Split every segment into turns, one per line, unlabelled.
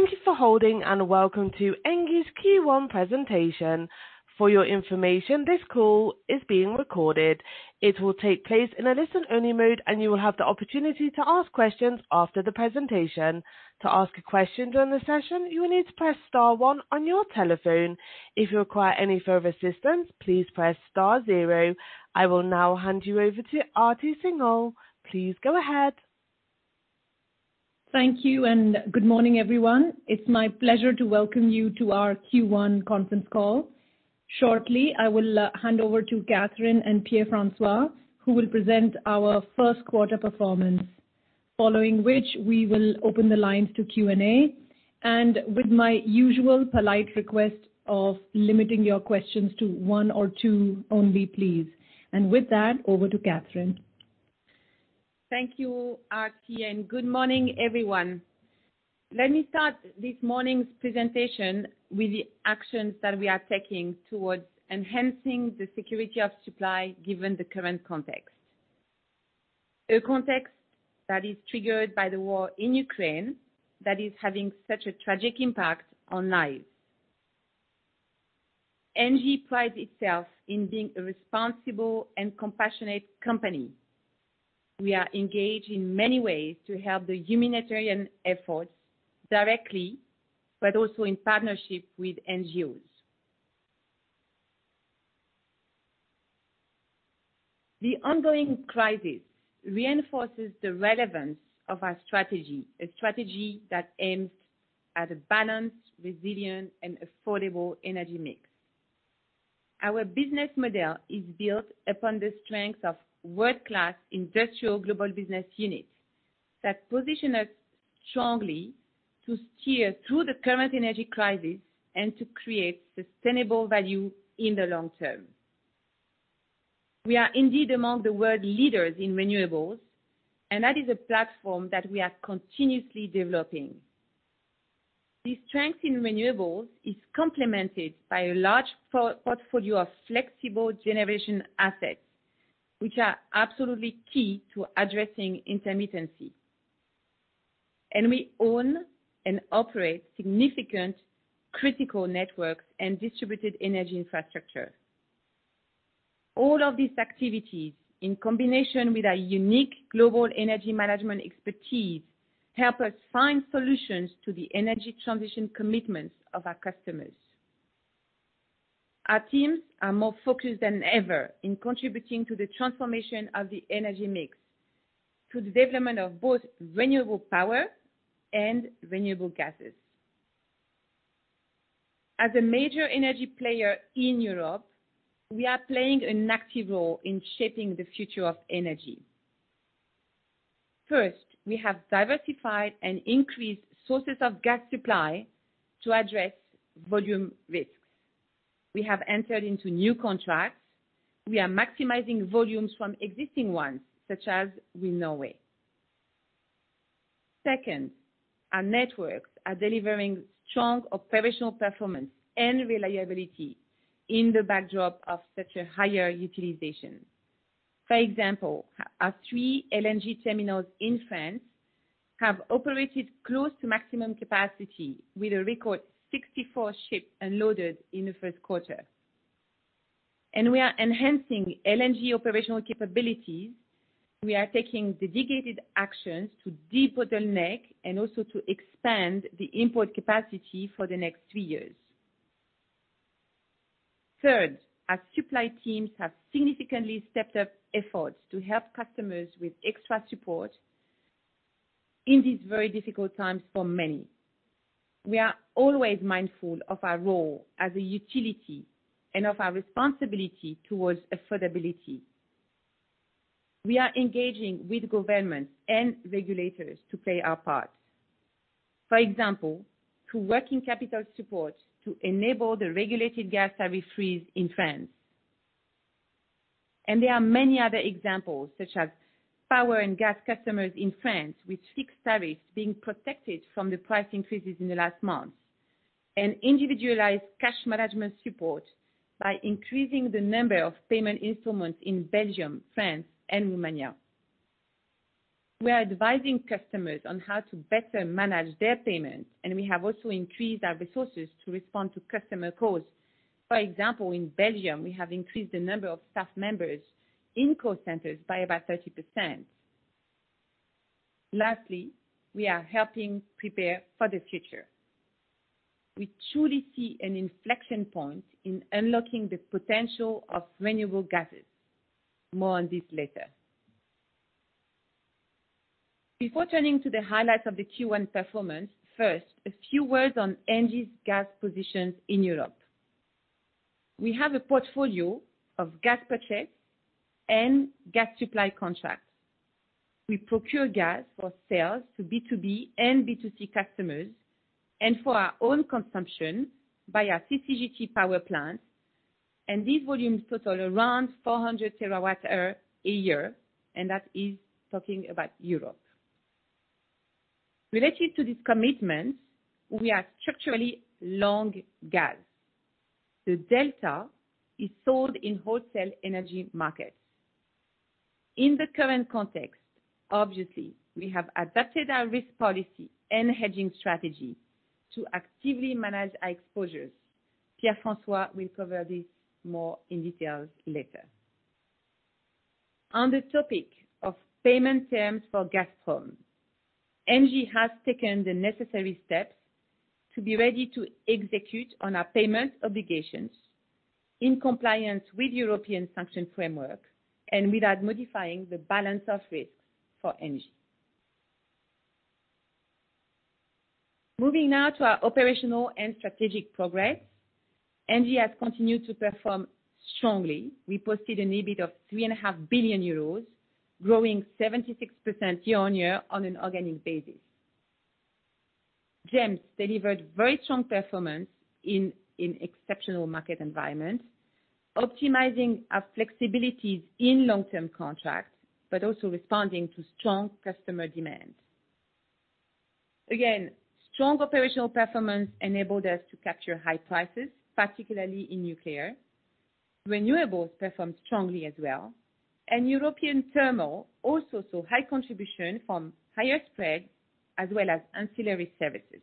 Thank you for holding, and welcome to ENGIE's Q1 presentation. For your information, this call is being recorded. It will take place in a listen-only mode, and you will have the opportunity to ask questions after the presentation. To ask a question during the session, you will need to press star one on your telephone. If you require any further assistance, please press star zero. I will now hand you over to Aarti Singhal. Please go ahead.
Thank you, and good morning, everyone. It's my pleasure to welcome you to our Q1 conference call. Shortly, I will hand over to Catherine and Pierre-François, who will present our first quarter performance. Following which, we will open the lines to Q&A, and with my usual polite request of limiting your questions to one or two only, please. With that, over to Catherine.
Thank you, Aarti, and good morning, everyone. Let me start this morning's presentation with the actions that we are taking towards enhancing the security of supply, given the current context. A context that is triggered by the war in Ukraine that is having such a tragic impact on lives. ENGIE prides itself in being a responsible and compassionate company. We are engaged in many ways to help the humanitarian efforts directly, but also in partnership with NGOs. The ongoing crisis reinforces the relevance of our strategy, a strategy that aims at a balanced, resilient, and affordable energy mix. Our business model is built upon the strength of world-class industrial global business units that position us strongly to steer through the current energy crisis and to create sustainable value in the long term. We are indeed among the world leaders in renewables, and that is a platform that we are continuously developing. The strength in renewables is complemented by a large portfolio of flexible generation assets, which are absolutely key to addressing intermittency. We own and operate significant critical networks and distributed energy infrastructure. All of these activities, in combination with our unique global energy management expertise, help us find solutions to the energy transition commitments of our customers. Our teams are more focused than ever in contributing to the transformation of the energy mix through development of both renewable power and renewable gases. As a major energy player in Europe, we are playing an active role in shaping the future of energy. First, we have diversified and increased sources of gas supply to address volume risks. We have entered into new contracts. We are maximizing volumes from existing ones, such as with Norway. Second, our networks are delivering strong operational performance and reliability in the backdrop of such a higher utilization. For example, our three LNG terminals in France have operated close to maximum capacity with a record 64 ships unloaded in the first quarter. We are enhancing LNG operational capabilities. We are taking dedicated actions to de-bottleneck and also to expand the import capacity for the next three years. Third, our supply teams have significantly stepped up efforts to help customers with extra support in these very difficult times for many. We are always mindful of our role as a utility and of our responsibility towards affordability. We are engaging with governments and regulators to play our part. For example, through working capital support to enable the regulated gas tariff freeze in France. There are many other examples, such as power and gas customers in France with fixed tariffs being protected from the price increases in the last month, and individualized cash management support by increasing the number of payment installments in Belgium, France and Romania. We are advising customers on how to better manage their payments, and we have also increased our resources to respond to customer calls. For example, in Belgium, we have increased the number of staff members in call centers by about 30%. Lastly, we are helping prepare for the future. We truly see an inflection point in unlocking the potential of renewable gases. More on this later. Before turning to the highlights of the Q1 performance, first, a few words on ENGIE's gas positions in Europe. We have a portfolio of gas purchase and gas supply contracts. We procure gas for sales to B2B and B2C customers and for our own consumption by our CCGT power plant. These volumes total around 400 TWh a year, and that is talking about Europe. Related to these commitments, we are structurally long gas. The delta is sold in wholesale energy markets. In the current context, obviously, we have adapted our risk policy and hedging strategy to actively manage our exposures. Pierre-François will cover this more in details later. On the topic of payment terms for Gazprom, ENGIE has taken the necessary steps to be ready to execute on our payment obligations in compliance with European sanctions framework, and without modifying the balance of risks for ENGIE. Moving now to our operational and strategic progress. ENGIE has continued to perform strongly. We posted an EBIT of EUR, growing 76% year-on-year on an organic basis. GEMS delivered very strong performance in exceptional market environment, optimizing our flexibilities in long-term contracts, but also responding to strong customer demand. Again, strong operational performance enabled us to capture high prices, particularly in nuclear. Renewables performed strongly as well, and European Thermal also saw high contribution from higher spreads, as well as ancillary services.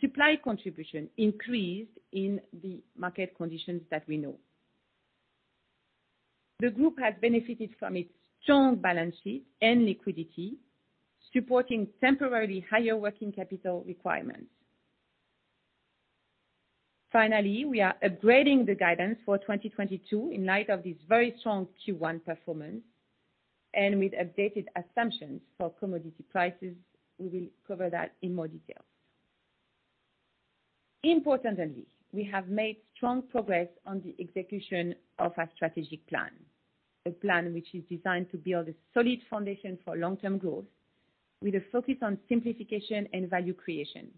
Supply contribution increased in the market conditions that we know. The group has benefited from its strong balance sheet and liquidity, supporting temporarily higher working capital requirements. Finally, we are upgrading the guidance for 2022 in light of this very strong Q1 performance, and with updated assumptions for commodity prices. We will cover that in more detail. Importantly, we have made strong progress on the execution of our strategic plan. A plan which is designed to build a solid foundation for long-term growth with a focus on simplification and value creation.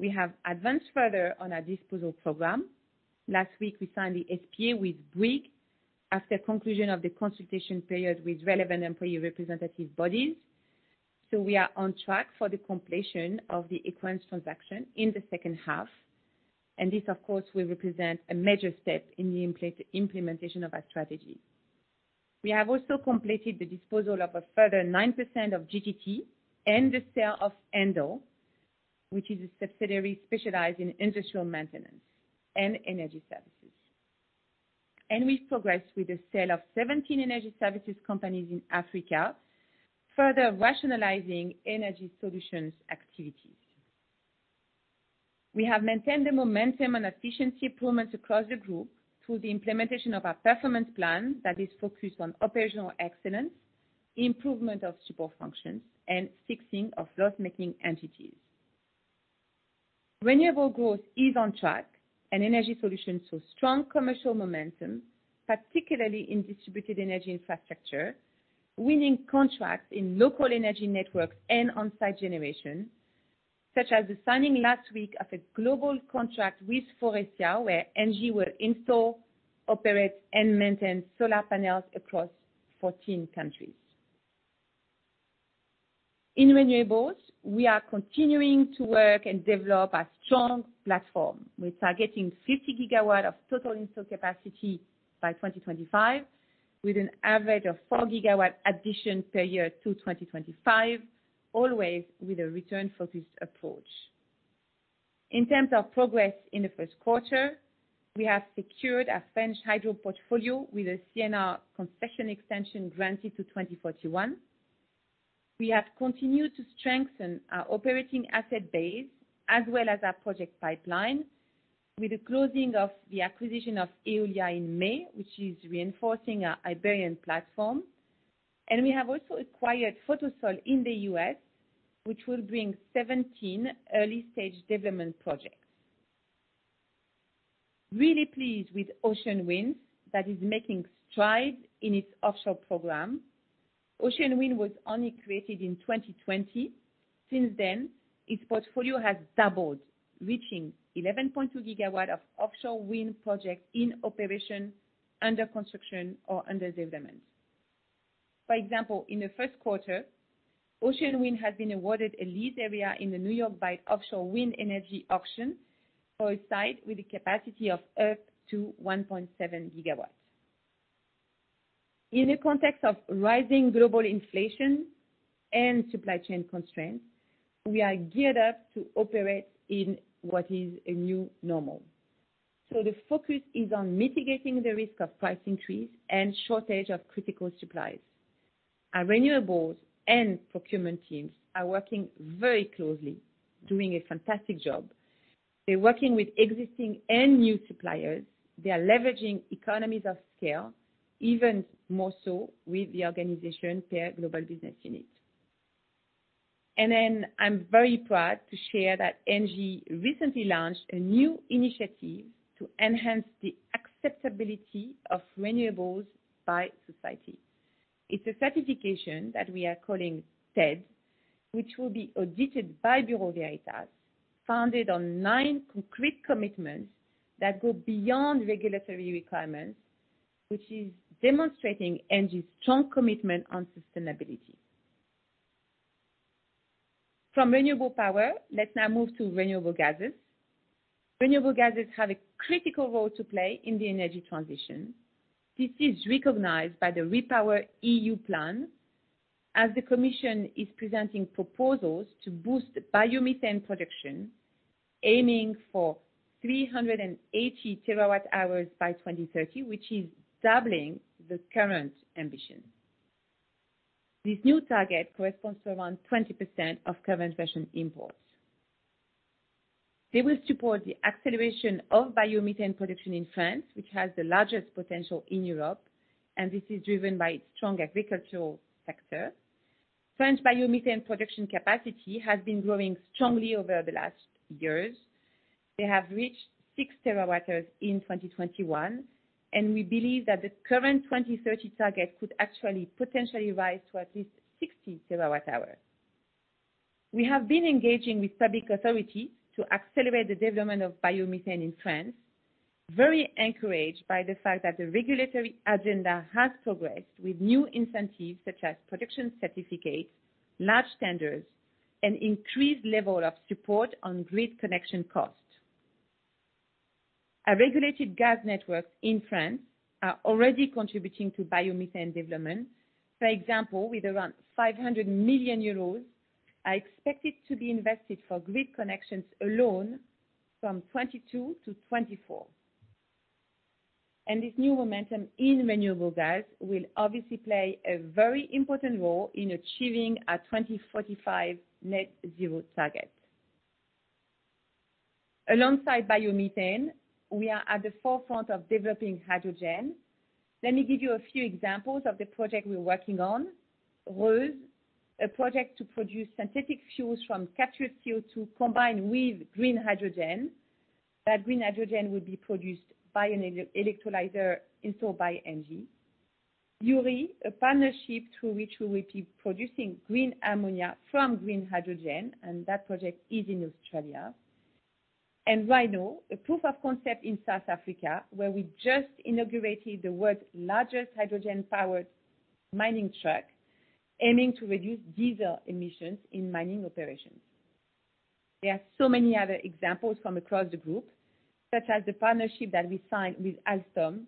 We have advanced further on our disposal program. Last week, we signed the SPA with Bouygues after conclusion of the consultation period with relevant employee representative bodies. We are on track for the completion of the Equans transaction in the second half. This, of course, will represent a major step in the implementation of our strategy. We have also completed the disposal of a further 9% of GTT and the sale of Endel, which is a subsidiary specialized in industrial maintenance and energy services. We've progressed with the sale of 17 energy services companies in Africa, further rationalizing energy solutions activities. We have maintained the momentum on efficiency improvements across the group through the implementation of our performance plan that is focused on operational excellence, improvement of support functions, and fixing of loss-making entities. Renewable growth is on track, and energy solutions saw strong commercial momentum, particularly in distributed energy infrastructure, winning contracts in local energy networks and on-site generation, such as the signing last week of a global contract with Faurecia, where ENGIE will install, operate, and maintain solar panels across 14 countries. In renewables, we are continuing to work and develop a strong platform. We're targeting 50 GW of total installed capacity by 2025, with an average of 4 GW additions per year to 2025, always with a return-focused approach. In terms of progress in the first quarter, we have secured our French hydro portfolio with a CNR concession extension granted to 2041. We have continued to strengthen our operating asset base as well as our project pipeline with the closing of the acquisition of Eolia in May, which is reinforcing our Iberian platform. We have also acquired Photosol in the U.S., which will bring 17 early-stage development projects. Really pleased with Ocean Winds that is making strides in its offshore program. Ocean Winds was only created in 2020. Since then, its portfolio has doubled, reaching 11.2 gigawatts of offshore wind projects in operation, under construction or under development. For example, in the first quarter, Ocean Winds has been awarded a lease area in the New York Bight offshore wind energy auction for a site with a capacity of up to 1.7 GW. In the context of rising global inflation and supply chain constraints, we are geared up to operate in what is a new normal. The focus is on mitigating the risk of price increase and shortage of critical supplies. Our renewables and procurement teams are working very closely, doing a fantastic job. They're working with existing and new suppliers. They are leveraging economies of scale, even more so with the organization per global business unit. I'm very proud to share that ENGIE recently launched a new initiative to enhance the acceptability of renewables by society. It's a certification that we are calling TED, which will be audited by Bureau Veritas, founded on nine concrete commitments that go beyond regulatory requirements, which is demonstrating ENGIE's strong commitment on sustainability. From renewable power, let's now move to renewable gases. Renewable gases have a critical role to play in the energy transition. This is recognized by the REPowerEU Plan, as the commission is presenting proposals to boost biomethane production, aiming for 380 TWh by 2030, which is doubling the current ambition. This new target corresponds to around 20% of current Russian imports. They will support the acceleration of biomethane production in France, which has the largest potential in Europe, and this is driven by its strong agricultural sector. French biomethane production capacity has been growing strongly over the last years. They have reached 6 terawatt-hours in 2021, and we believe that the current 2030 target could actually potentially rise to at least 60 TWh. We have been engaging with public authority to accelerate the development of biomethane in France, very encouraged by the fact that the regulatory agenda has progressed with new incentives such as production certificates, large tenders, and increased level of support on grid connection costs. Our regulated gas networks in France are already contributing to biomethane development. For example, with around 500 million euros are expected to be invested for grid connections alone from 2022 to 2024. This new momentum in renewable gas will obviously play a very important role in achieving our 2045 Net Zero target. Alongside biomethane, we are at the forefront of developing hydrogen. Let me give you a few examples of the project we're working on. REUZE, a project to produce synthetic fuels from captured CO2 combined with green hydrogen. That green hydrogen will be produced by an electrolyzer installed by ENGIE. Yuri, a partnership through which we will be producing green ammonia from green hydrogen, and that project is in Australia. Rhino, a proof of concept in South Africa, where we just inaugurated the world's largest hydrogen-powered mining truck, aiming to reduce diesel emissions in mining operations. There are so many other examples from across the group, such as the partnership that we signed with Alstom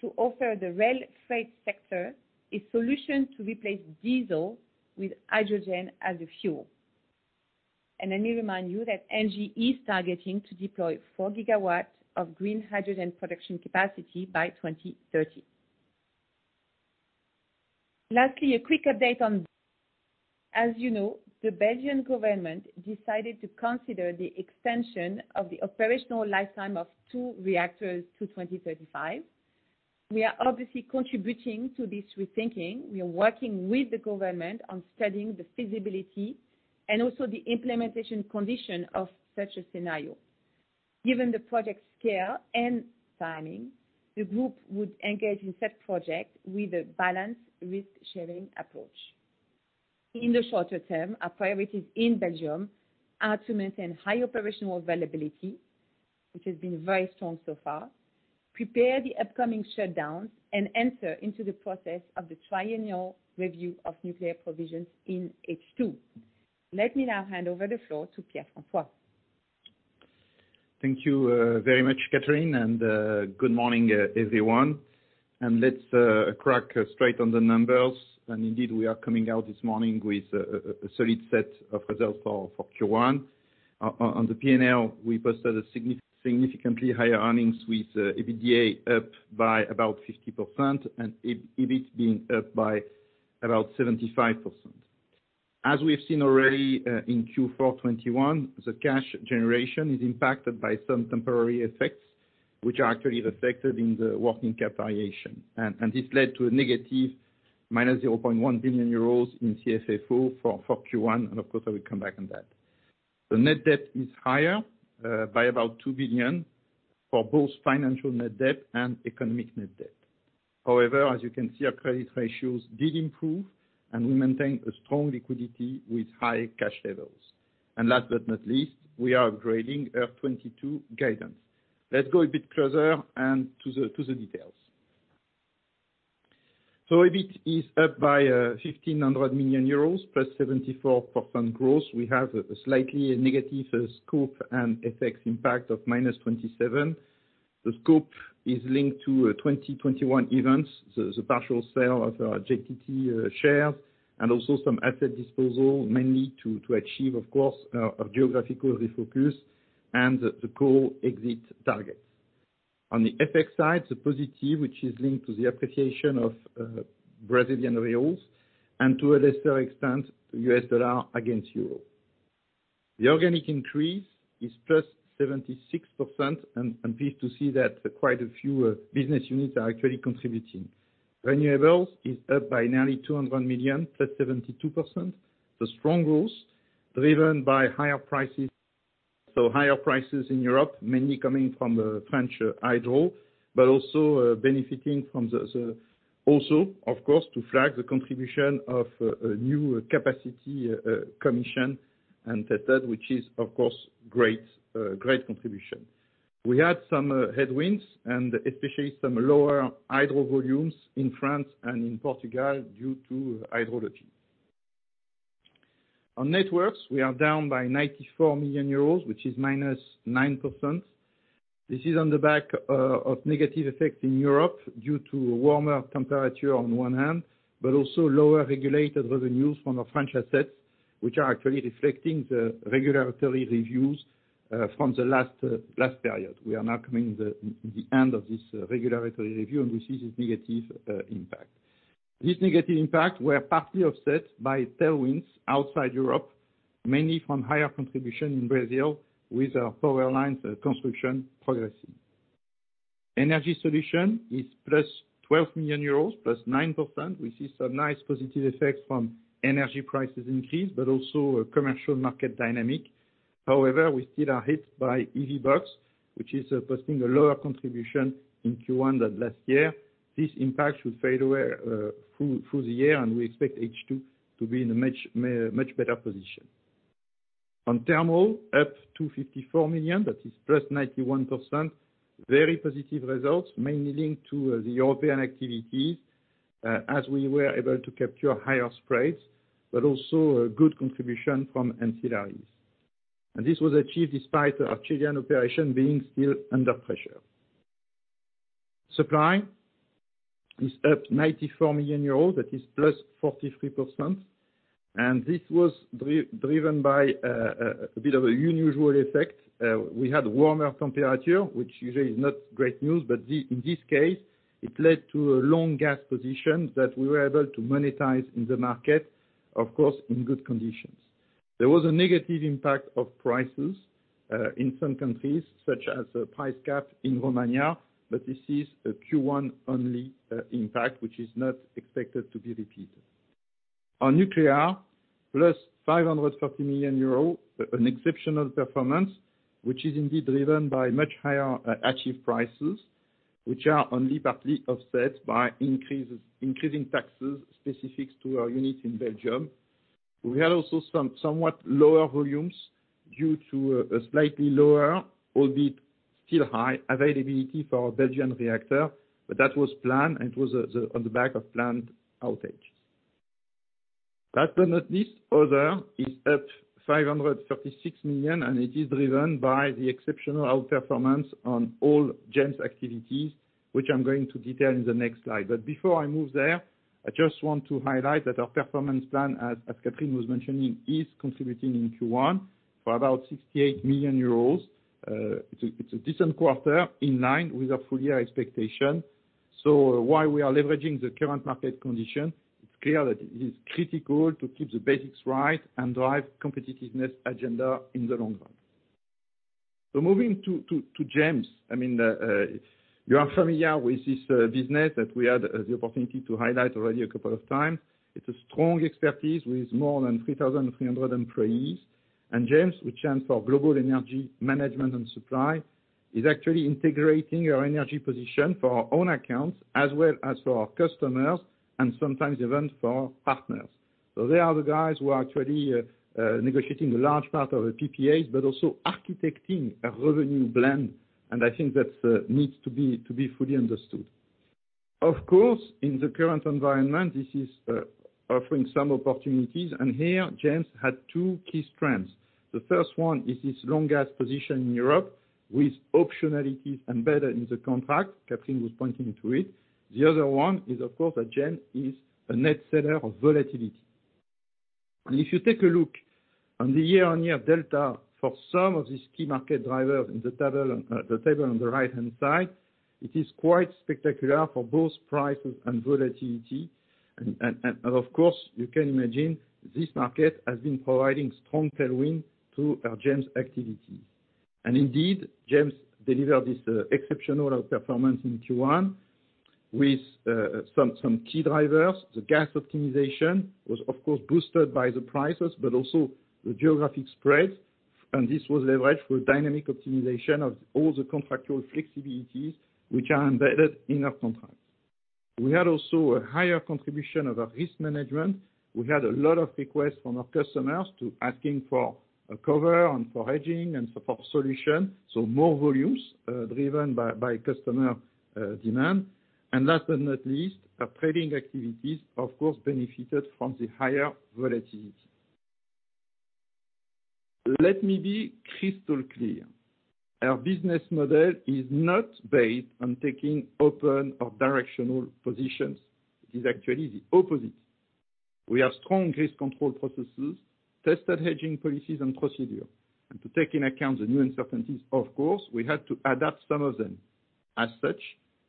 to offer the rail freight sector a solution to replace diesel with hydrogen as a fuel. Let me remind you that ENGIE is targeting to deploy 4 GW of green hydrogen production capacity by 2030. Lastly, a quick update on, as you know, the Belgian government decided to consider the extension of the operational lifetime of two reactors to 2035. We are obviously contributing to this rethinking. We are working with the government on studying the feasibility and also the implementation condition of such a scenario. Given the project scale and timing, the group would engage in such project with a balanced risk-sharing approach. In the shorter term, our priorities in Belgium are to maintain high operational availability, which has been very strong so far, prepare the upcoming shutdowns, and enter into the process of the triennial review of nuclear provisions in H2. Let me now hand over the floor to Pierre-François.
Thank you, very much, Catherine, and good morning, everyone. Let's crack straight on the numbers. Indeed, we are coming out this morning with a solid set of results for Q1. On the P&L, we posted significantly higher earnings with EBITDA up by about 50% and EBIT up by about 75%. As we have seen already in Q4 2021, the cash generation is impacted by some temporary effects, which are actually reflected in the working capital. This led to -0.1 billion euros in CFFO for Q1, and of course, I will come back on that. The net-debt is higher by about 2 billion for both financial net-debt and economic net-debt. However, as you can see, our credit ratios did improve, and we maintain a strong liquidity with high cash levels. Last but not least, we are upgrading our 2022 guidance. Let's go a bit closer and to the details. EBIT is up by 1,500 million euros, +74% growth. We have a slightly negative scope and FX impact of -27 million. The scope is linked to 2021 events, the partial sale of our GTT shares, and also some asset disposal, mainly to achieve, of course, a geographical refocus and the core exit targets. On the FX side, the positive, which is linked to the appreciation of Brazilian reals and to a lesser extent, US dollar against euro. The organic increase is +76%. I'm pleased to see that quite a few business units are actually contributing. Renewables is up by nearly 200 million, +72%. The strong growth driven by higher prices. Higher prices in Europe, mainly coming from French hydro, but also benefiting from also, of course, to flag the contribution of a new capacity commission and tested, which is of course great contribution. We had some headwinds and especially some lower hydro volumes in France and in Portugal due to hydrology. On networks, we are down by 94 million euros, which is -9%. This is on the back of negative effects in Europe due to warmer temperatures on one hand, but also lower regulated revenues from our French assets, which are actually reflecting the regulatory reviews from the last period. We are now coming to the end of this regulatory review, and we see this negative impact. This negative impact were partly offset by tailwinds outside Europe, mainly from higher contribution in Brazil with our power lines construction progressing. Energy Solutions is 12 million euros, +9%. We see some nice positive effects from energy prices increase, but also a commercial market dynamic. However, we still are hit by EVBox, which is posting a lower contribution in Q1 than last year. This impact should fade away through the year, and we expect H2 to be in a much better position. On thermal, up 250 million, that is +91%. Very positive results, mainly linked to the European activities, as we were able to capture higher spreads, but also a good contribution from ancillaries. This was achieved despite our Chilean operation being still under pressure. Supply is up 94 million euros, that is +43%. This was driven by a bit of an unusual effect. We had warmer temperature, which usually is not great news, but in this case, it led to a long gas position that we were able to monetize in the market, of course, in good conditions. There was a negative impact of prices in some countries, such as the price cap in Romania, but this is a Q1 only impact, which is not expected to be repeated. On nuclear, +540 million euros, an exceptional performance, which is indeed driven by much higher achieved prices, which are only partly offset by increasing taxes specific to our units in Belgium. We had also somewhat lower volumes due to a slightly lower, albeit still high, availability for our Belgian reactor, but that was planned, and it was on the back of planned outage. Last but not least, other is at 536 million, and it is driven by the exceptional outperformance on all GEMS activities, which I'm going to detail in the next slide. Before I move there, I just want to highlight that our performance plan, as Catherine was mentioning, is contributing in Q1 for about 68 million euros. It's a decent quarter in line with our full year expectation. While we are leveraging the current market condition, it's clear that it is critical to keep the basics right and drive competitiveness agenda in the long run. Moving to GEMS, I mean, you are familiar with this business that we had the opportunity to highlight already a couple of times. It's a strong expertise with more than 3,300 employees. GEMS, which stands for Global Energy Management & Supply, is actually integrating our energy position for our own accounts as well as for our customers, and sometimes even for partners. They are the guys who are actually negotiating a large part of the PPAs, but also architecting a revenue blend. I think that needs to be fully understood. Of course, in the current environment, this is offering some opportunities. Here, GEMS had two key strengths. The first one is this long gas position in Europe with optionalities embedded in the contract. Catherine was pointing to it. The other one is, of course, that GEMS is a net seller of volatility. If you take a look on the year-on-year delta for some of these key market drivers in the table on the right-hand side, it is quite spectacular for both prices and volatility. Of course, you can imagine this market has been providing strong tailwind to our GEMS activity. Indeed, GEMS delivered this exceptional outperformance in Q1 with some key drivers. The gas optimization was, of course, boosted by the prices, but also the geographic spread. This was leveraged for dynamic optimization of all the contractual flexibilities which are embedded in our contracts. We had also a higher contribution of our risk management. We had a lot of requests from our customers asking for coverage and for hedging and for solutions, so more volumes, driven by customer demand. Last but not least, our trading activities, of course, benefited from the higher volatility. Let me be crystal clear. Our business model is not based on taking open or directional positions. It is actually the opposite. We have strong risk control processes, tested hedging policies and procedures. To take into account the new uncertainties, of course, we had to adapt some of them. As such,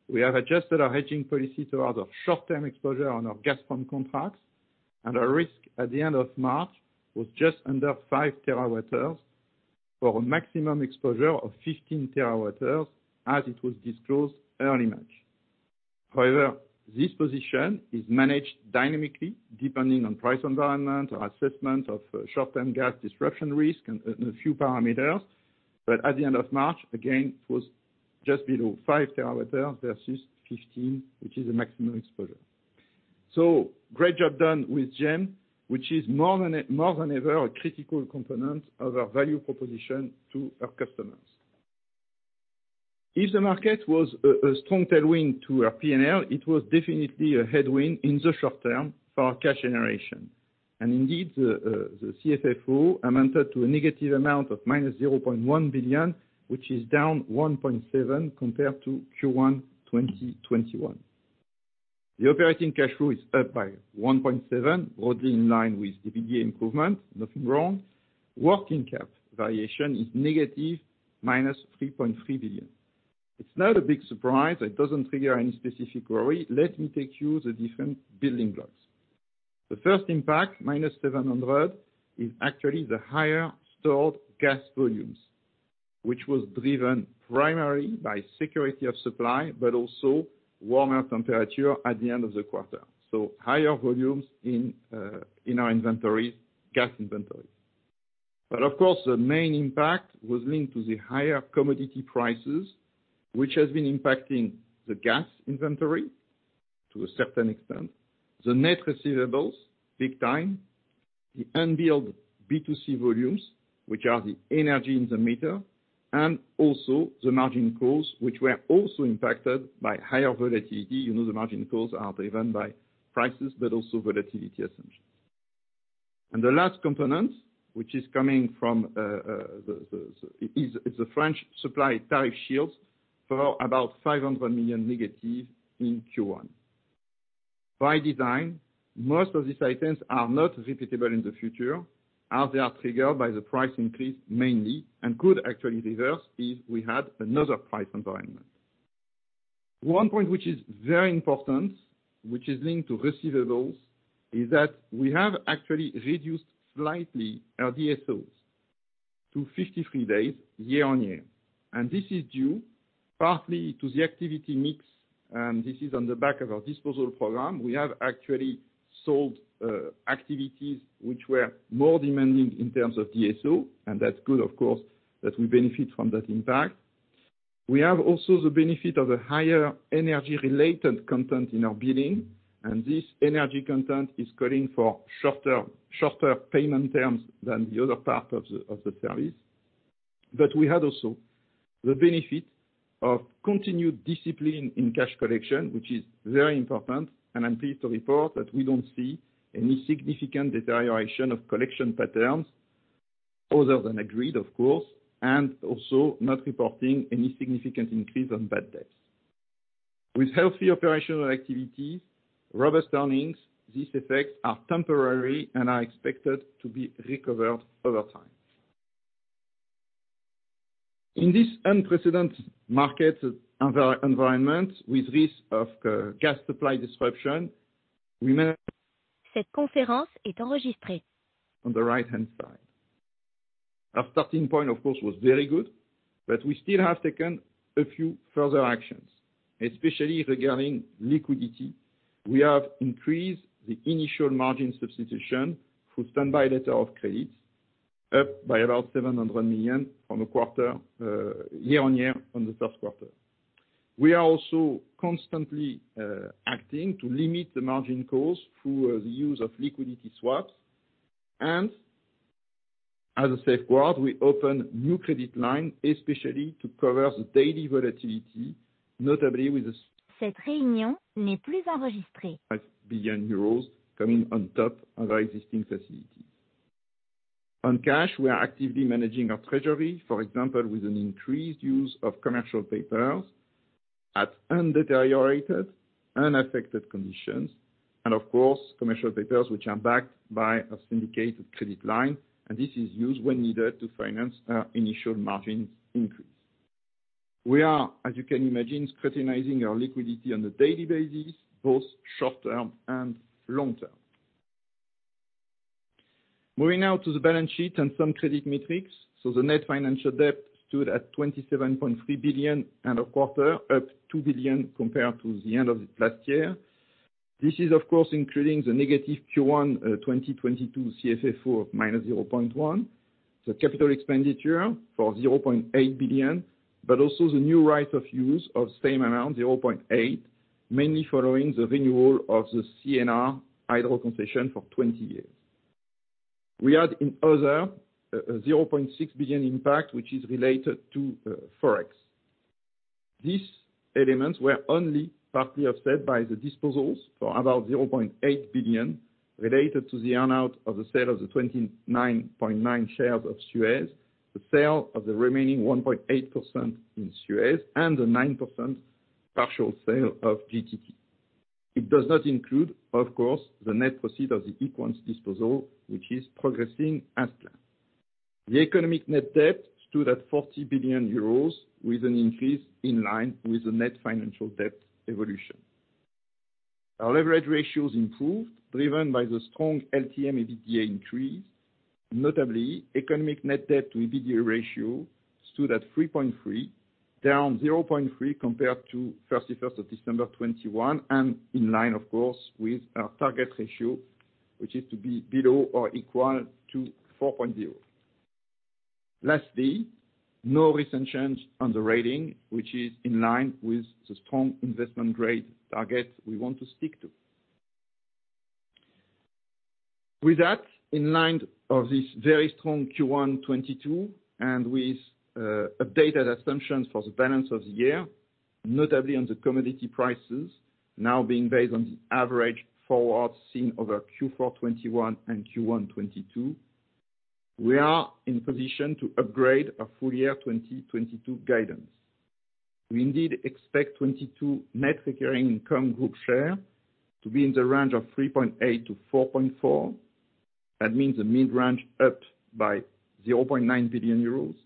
we have adjusted our hedging policy to have a short-term exposure on our gas forward contracts, and our risk at the end of March was just under 5 TWh for a maximum exposure of 15 TWh as it was disclosed early March. However, this position is managed dynamically, depending on price environment or assessment of short-term gas disruption risk and a few parameters. At the end of March, again, it was just below 5 TWh versus 15 TWh, which is the maximum exposure. Great job done with GEMS, which is more than ever, a critical component of our value proposition to our customers. If the market was a strong tailwind to our P&L, it was definitely a headwind in the short term for our cash generation. Indeed, the CFFO amounted to a negative amount of -0.1 billion, which is down 1.7 billion compared to Q1 2021. The operating cash flow is up by 1.7 billion, broadly in line with EBITDA improvement. Nothing wrong. Working cap valuation is negative, -3.3 billion. It's not a big surprise. It doesn't trigger any specific worry. Let me take you through the different building blocks. The first impact, -700, is actually the higher stored gas volumes, which was driven primarily by security of supply, but also warmer temperature at the end of the quarter, so higher volumes in our inventories, gas inventories. Of course, the main impact was linked to the higher commodity prices, which has been impacting the gas inventory to a certain extent, the net receivables big time, the unbilled B2C volumes, which are the energy in the meter, and also the margin costs, which were also impacted by higher volatility. You know, the margin costs are driven by prices, but also volatility assumptions. The last component, which is coming from, is the French supply tariff shields for about -500 million in Q1. By design, most of these items are not repeatable in the future, as they are triggered by the price increase mainly and could actually reverse if we had another price environment. One point which is very important, which is linked to receivables, is that we have actually reduced slightly our DSOs to 53 days year-on-year. This is due partly to the activity mix. This is on the back of our disposal program. We have actually sold activities which were more demanding in terms of DSO, and that's good, of course, that we benefit from that impact. We have also the benefit of a higher energy-related content in our billing, and this energy content is calling for shorter payment terms than the other part of the service. We had also the benefit of continued discipline in cash collection, which is very important, and I'm pleased to report that we don't see any significant deterioration of collection patterns other than agreed, of course, and also not reporting any significant increase on bad debts. With healthy operational activities, robust earnings, these effects are temporary and are expected to be recovered over time. In this unprecedented market environment with risk of gas supply disruption, On the right-hand side. Our starting point, of course, was very good, but we still have taken a few further actions, especially regarding liquidity. We have increased the initial margin substitution through standby letters of credit, up by about 700 million from a quarter year-over-year from the third quarter. We are also constantly acting to limit the margin costs through the use of liquidity swaps. As a safeguard, we open new credit line, especially to cover the daily volatility, notably with 5 billion euros coming on top of our existing facilities. On cash, we are actively managing our treasury, for example, with an increased use of commercial papers at undeteriorated, unaffected conditions, and of course, commercial papers which are backed by a syndicated credit line, and this is used when needed to finance our initial margin increase. We are, as you can imagine, scrutinizing our liquidity on a daily basis, both short term and long term. Moving now to the balance sheet and some credit metrics. The net-financial debt stood at 27.3 billion and a quarter, up 2 billion compared to the end of last year. This is of course including the negative Q1 2022 CFFO of EUR-0.1 billion, the capital expenditure for 0.8 billion, but also the new right of use of same amount, 0.8 billion, mainly following the renewal of the CNR hydro concession for 20 years. We had in other, 0.6 billion impact, which is related to FX. These elements were only partly offset by the disposals for about 0.8 billion related to the earn-out of the sale of the 29.9 shares of Suez, the sale of the remaining 1.8% in Suez, and the 9% partial sale of GTT. It does not include, of course, the net proceeds of the Equans disposal, which is progressing as planned. The economic net-debt stood at 40 billion euros with an increase in line with the net-financial debt evolution. Our leverage ratios improved, driven by the strong LTM EBITDA increase, notably economic net-debt-to EBITDA ratio stood at 3.3, down 0.3 compared to December 31, 2021, and in line of course, with our target ratio, which is to be below or equal to 4.0. Lastly, no recent change on the rating, which is in line with the strong investment grade target we want to stick to. With that in mind of this very strong Q1 2022 and with updated assumptions for the balance of the year, notably on the commodity prices now being based on the average forward seen over Q4 2021 and Q1 2022, we are in position to upgrade our full-year 2022 guidance. We indeed expect 2022 net recurring income group share to be in the range of 3.8 billion- 4.4 billion. That means a mid-range up by 0.9 billion euros,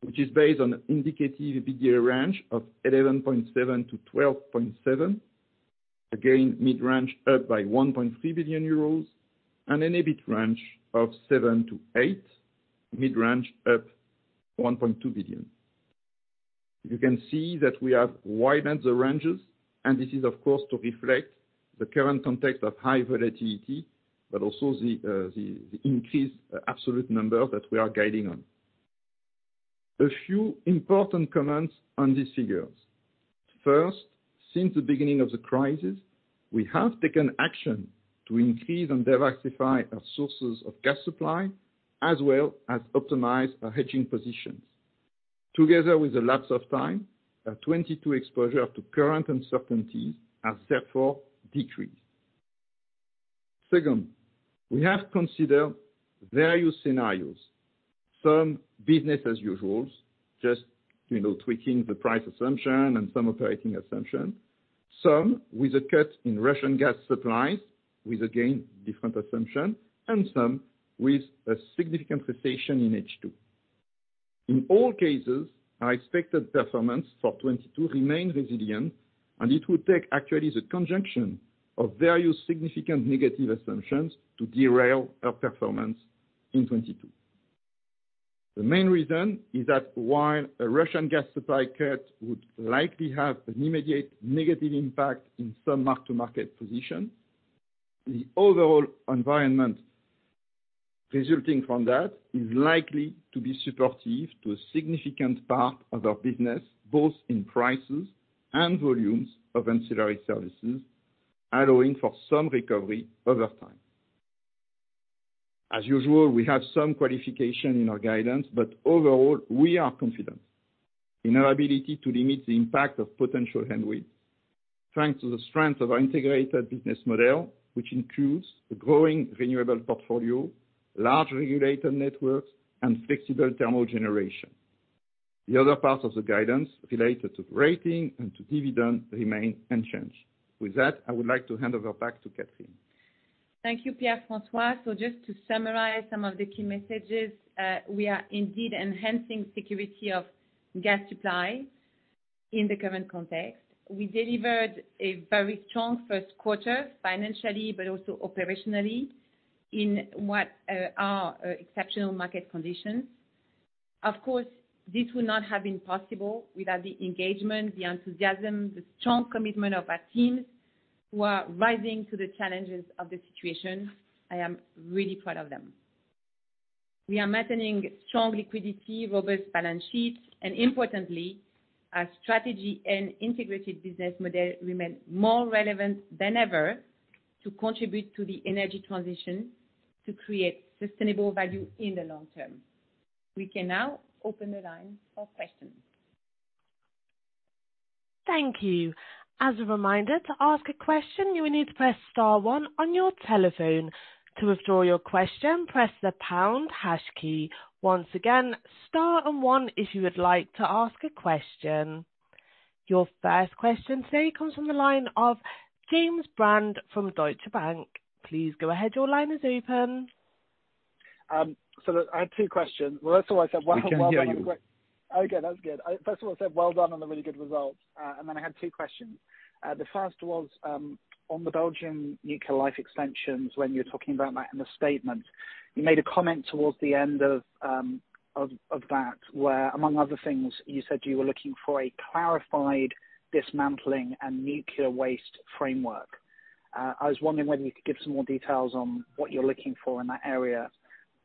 which is based on an indicative EBITDA range of 11.7 billion-12.7 billion. Again, mid-range up by 1.3 billion euros and an EBIT range of 7 billion-8 billion, mid-range up 1.2 billion. You can see that we have widened the ranges, and this is, of course, to reflect the current context of high volatility, but also the increased absolute number that we are guiding on. A few important comments on these figures. First, since the beginning of the crisis, we have taken action to increase and diversify our sources of gas supply, as well as optimize our hedging positions. Together with the lapse of time, our 2022 exposure to current uncertainties has therefore decreased. Second, we have considered various scenarios, some business as usual, just, you know, tweaking the price assumption and some operating assumption, some with a cut in Russian gas supplies, with again, different assumption, and some with a significant recession in H2. In all cases, our expected performance for 2022 remains resilient, and it will take actually the conjunction of various significant negative assumptions to derail our performance in 2022. The main reason is that while a Russian gas supply cut would likely have an immediate negative impact in some mark-to-market position, the overall environment resulting from that is likely to be supportive to a significant part of our business, both in prices and volumes of ancillary services, allowing for some recovery over time. As usual, we have some qualification in our guidance, but overall, we are confident in our ability to limit the impact of potential headwinds, thanks to the strength of our integrated business model, which includes a growing renewable portfolio, large regulated networks, and flexible thermal generation. The other parts of the guidance related to rating and to dividend remain unchanged. With that, I would like to hand over back to Catherine.
Thank you, Pierre-François. Just to summarize some of the key messages, we are indeed enhancing security of gas supply in the current context. We delivered a very strong first quarter, financially, but also operationally in what are exceptional market conditions. Of course, this would not have been possible without the engagement, the enthusiasm, the strong commitment of our teams who are rising to the challenges of the situation. I am really proud of them. We are maintaining strong liquidity, robust balance sheets, and importantly, our strategy and integrated business model remain more relevant than ever to contribute to the energy transition to create sustainable value in the long term. We can now open the line for questions.
Thank you. As a reminder, to ask a question, you will need to press star one on your telephone. To withdraw your question, press the pound hash key. Once again, star and one if you would like to ask a question. Your first question today comes from the line of James Brand from Deutsche Bank. Please go ahead. Your line is open.
Look, I have two questions. Well, first of all, I said well done on the-
We can hear you.
Okay, that's good. First of all, I said well done on the really good results. Then I had two questions. The first was on the Belgian nuclear life extensions, when you're talking about that in the statement, you made a comment towards the end of that, where among other things you said you were looking for a clarified dismantling and nuclear waste framework. I was wondering whether you could give some more details on what you're looking for in that area.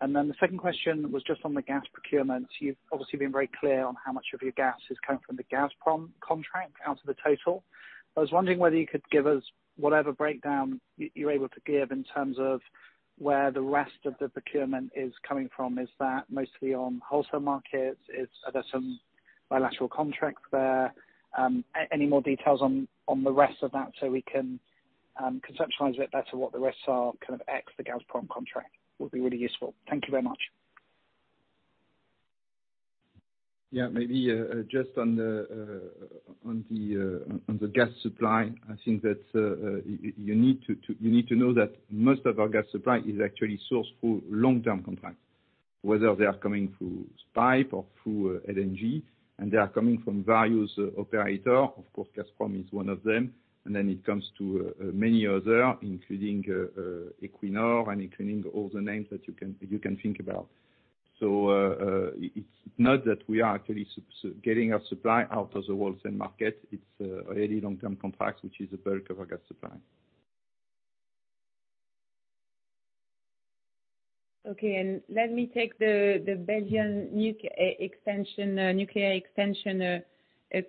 Then the second question was just on the gas procurement. You've obviously been very clear on how much of your gas is coming from the Gazprom contract out of the total. I was wondering whether you could give us whatever breakdown you're able to give in terms of where the rest of the procurement is coming from. Is that mostly on wholesale markets? Are there some bilateral contracts there? Any more details on the rest of that so we can conceptualize a bit better what the risks are kind of ex the Gazprom contract would be really useful. Thank you very much.
Yeah. Maybe just on the gas supply, I think that you need to know that most of our gas supply is actually sourced through long-term contracts, whether they are coming through pipeline or through LNG, and they are coming from various operators. Of course, Gazprom is one of them. Then it comes to many others, including Equinor and including all the names that you can think about. It's not that we are actually getting our supply out of the wholesale market. It's really long-term contracts, which is the bulk of our gas supply.
Okay, let me take the Belgian nuclear extension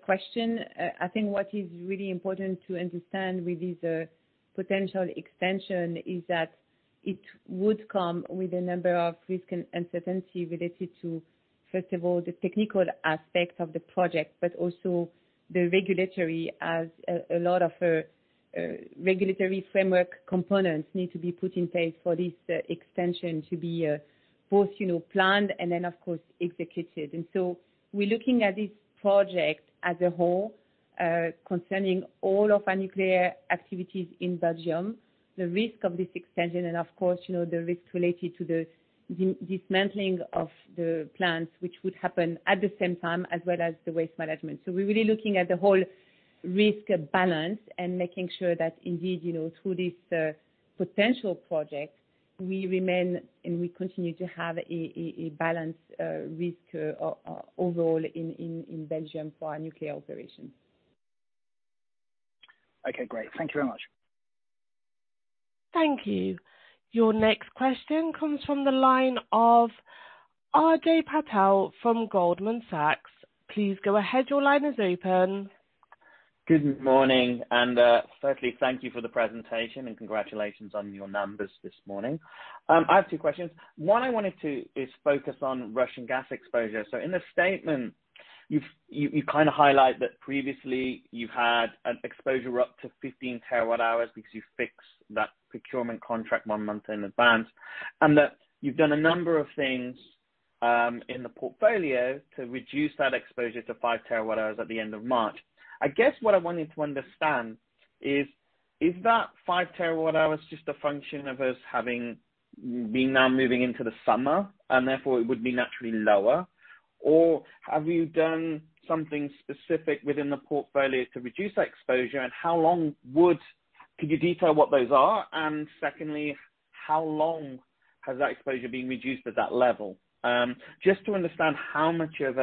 question. I think what is really important to understand with this potential extension is that it would come with a number of risk and uncertainty related to, first of all, the technical aspect of the project, but also the regulatory as a lot of regulatory framework components need to be put in place for this extension to be both, you know, planned and then, of course, executed. We're looking at this project as a whole, concerning all of our nuclear activities in Belgium, the risk of this extension and of course, you know, the risk related to the dismantling of the plants, which would happen at the same time, as well as the waste management. We're really looking at the whole risk balance and making sure that indeed, you know, through this potential project, we remain and we continue to have a balanced risk overall in Belgium for our nuclear operations.
Okay, great. Thank you very much.
Thank you. Your next question comes from the line of Ajay Patel from Goldman Sachs. Please go ahead. Your line is open.
Good morning. Firstly, thank you for the presentation and congratulations on your numbers this morning. I have two questions. One, I wanted to focus on Russian gas exposure. In the statement, you've kind of highlight that previously you had an exposure up to 15 TWh because you fixed that procurement contract one month in advance, and that you've done a number of things in the portfolio to reduce that exposure to 5 TWh at the end of March. I guess what I wanted to understand is that 5 TWh just a function of us having being now moving into the summer, and therefore it would be naturally lower? Or have you done something specific within the portfolio to reduce that exposure, and how long would. Can you detail what those are? Secondly, how long has that exposure been reduced at that level? Just to understand how much of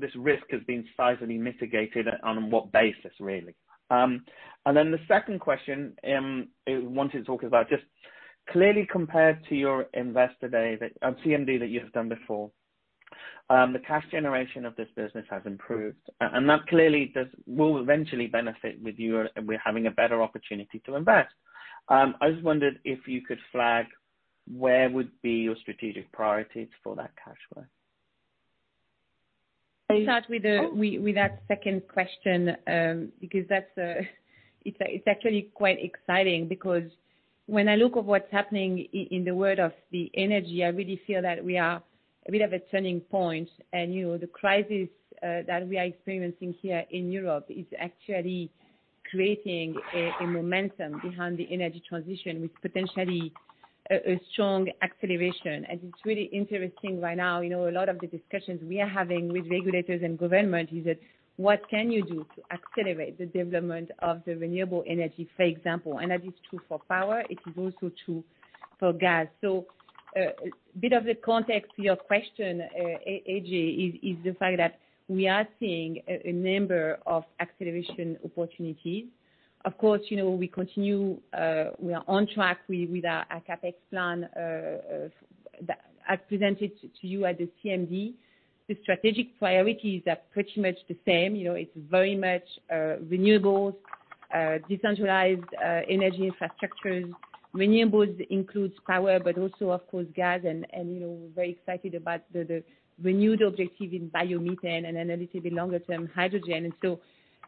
this risk has been sizably mitigated, on what basis, really. The second question wanted to talk about just clearly compared to your investor day that, CMD that you have done before, the cash generation of this business has improved. And that clearly will eventually benefit with you, with having a better opportunity to invest. I just wondered if you could flag where would be your strategic priorities for that cash flow.
Start with that second question, because that's actually quite exciting because when I look at what's happening in the world of the energy, I really feel that we are a bit of a turning point. You know, the crisis that we are experiencing here in Europe is actually creating a momentum behind the energy transition with potentially a strong acceleration. It's really interesting right now. You know, a lot of the discussions we are having with regulators and government is that what can you do to accelerate the development of the renewable energy, for example? That is true for power. It is also true for gas. A bit of the context to your question, Ajay, is the fact that we are seeing a number of acceleration opportunities. Of course, you know, we continue, we are on track with our CapEx plan that I presented to you at the CMD. The strategic priorities are pretty much the same. You know, it's very much renewables, decentralized energy infrastructures. Renewables includes power, but also of course gas and, you know, we're very excited about the renewed objective in biomethane and then a little bit longer term hydrogen.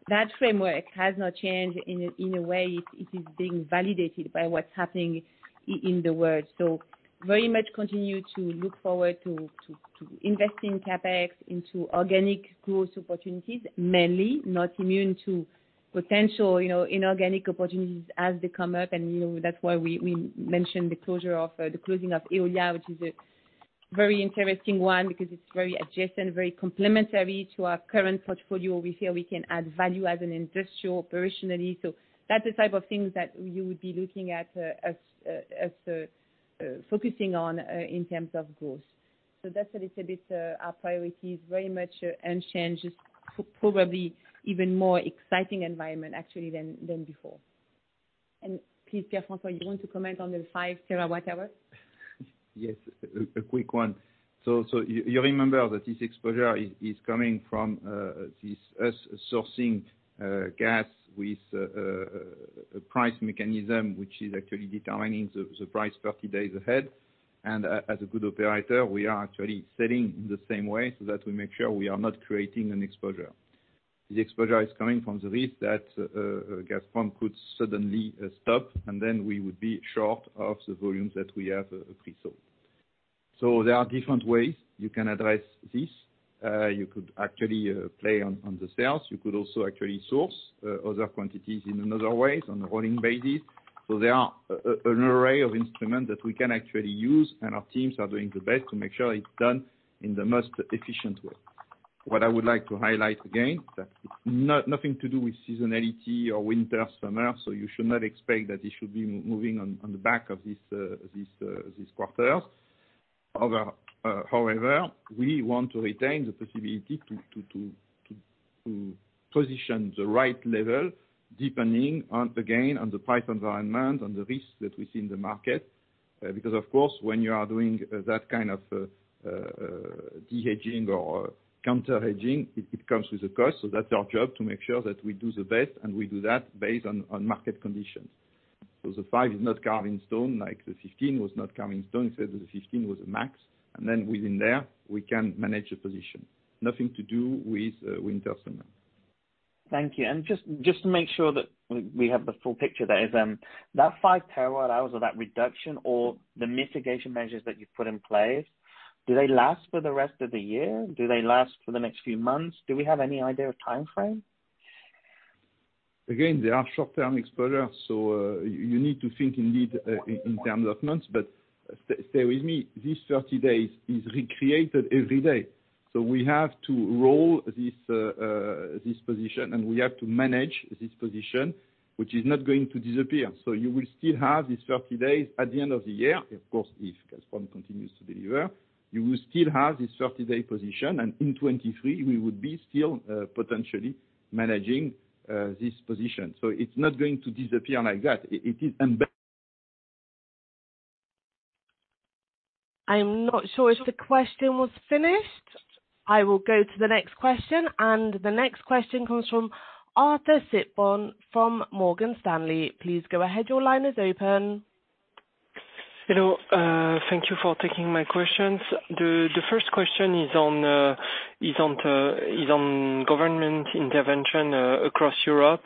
That framework has not changed. In a way it is being validated by what's happening in the world. Very much continue to look forward to invest in CapEx into organic growth opportunities, mainly not immune to potential, you know, inorganic opportunities as they come up. You know, that's why we mentioned the closing of Eolia, which is a very interesting one because it's very adjacent and very complementary to our current portfolio. We feel we can add value as an industrial operationally. That's the type of things that we would be looking at as focusing on in terms of growth. That's a little bit our priorities, very much unchanged, just probably even more exciting environment actually than before. Please, Pierre-François, you want to comment on the 5 TWh?
Yes, a quick one. You remember that this exposure is coming from us sourcing gas with a price mechanism which is actually determining the price 30 days ahead. As a good operator, we are actually selling in the same way so that we make sure we are not creating an exposure. The exposure is coming from the risk that Gazprom could suddenly stop, and then we would be short of the volumes that we have pre-sold. There are different ways you can address this. You could actually play on the sales. You could also actually source other quantities in other ways on a rolling basis. There are an array of instruments that we can actually use, and our teams are doing the best to make sure it's done in the most efficient way. What I would like to highlight again, that it's nothing to do with seasonality or winter, summer, so you should not expect that it should be moving on the back of this quarter. However, we want to retain the possibility to position the right level, depending on, again, on the price environment and the risks that we see in the market. Because of course, when you are doing that kind of de-hedging or counter hedging, it comes with a cost. That's our job to make sure that we do the best, and we do that based on market conditions. The 5 TWh is not carved in stone like the 15 TWh was not carved in stone. I said that the 15 TWh was a max, and then within there, we can manage the position. Nothing to do with winter settlement.
Thank you. Just to make sure that we have the full picture, there is that 5 TWh or that reduction or the mitigation measures that you've put in place, do they last for the rest of the year? Do they last for the next few months? Do we have any idea of timeframe?
Again, they are short-term exposure, so you need to think indeed in terms of months, but stay with me. These 30 days is recreated every day. We have to roll this position, and we have to manage this position, which is not going to disappear. You will still have these 30 days at the end of the year. Of course, if Gazprom continues to deliver, you will still have this 30-day position, and in 2023 we would still be potentially managing this position. It's not going to disappear like that. It is embedded.
I'm not sure if the question was finished. I will go to the next question. The next question comes from Arthur Sitbon from Morgan Stanley. Please go ahead. Your line is open.
Hello. Thank you for taking my questions. The first question is on government intervention across Europe.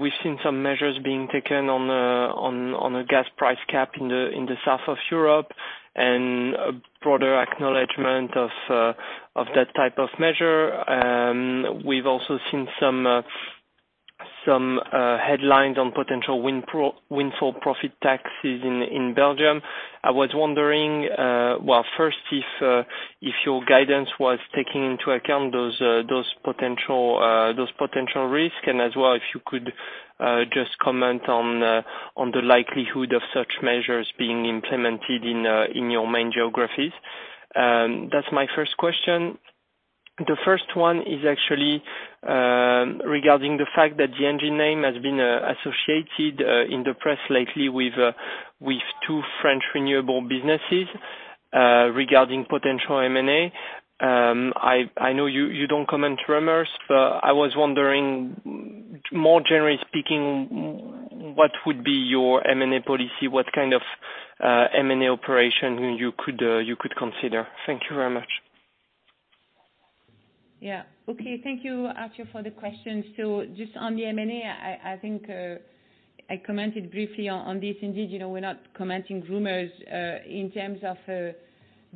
We've seen some measures being taken on a gas price cap in the south of Europe and a broader acknowledgement of that type of measure. We've also seen some headlines on potential windfall profit taxes in Belgium. I was wondering, well, first if your guidance was taking into account those potential risks, and as well, if you could just comment on the likelihood of such measures being implemented in your main geographies. That's my first question. The first one is actually regarding the fact that the ENGIE name has been associated in the press lately with two French renewable businesses regarding potential M&A. I know you don't comment rumors, but I was wondering more generally speaking, what would be your M&A policy? What kind of M&A operation you could consider? Thank you very much.
Thank you, Arthur, for the question. Just on the M&A, I think I commented briefly on this. Indeed, you know, we're not commenting rumors. In terms of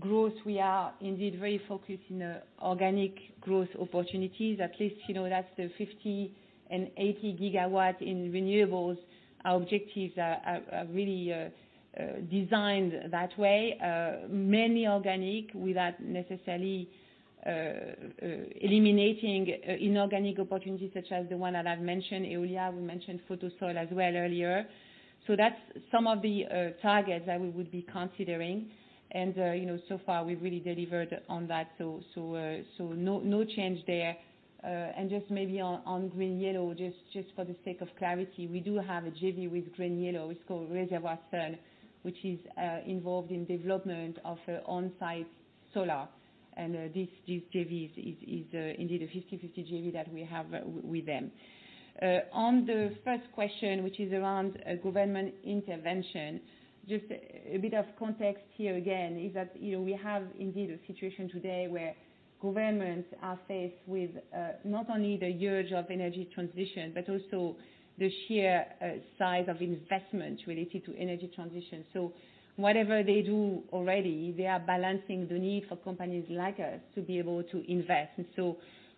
growth, we are indeed very focused on organic growth opportunities. At least, you know, that's the 50 GW and 80 GW in renewables. Our objectives are really designed that way. Mainly organic without necessarily eliminating inorganic opportunities such as the one that I've mentioned, Eolia. We mentioned Photosol as well earlier. That's some of the targets that we would be considering. You know, so far we've really delivered on that. No change there. Just maybe on GreenYellow, just for the sake of clarity, we do have a JV with GreenYellow. It's called Reservoir Sun, which is involved in development of on-site solar. These JVs is indeed a 50/50 JV that we have with them. On the first question, which is around a government intervention, just a bit of context here again, is that, you know, we have indeed a situation today where governments are faced with not only the urgency of energy transition, but also the sheer size of investment related to energy transition. Whatever they do already, they are balancing the need for companies like us to be able to invest.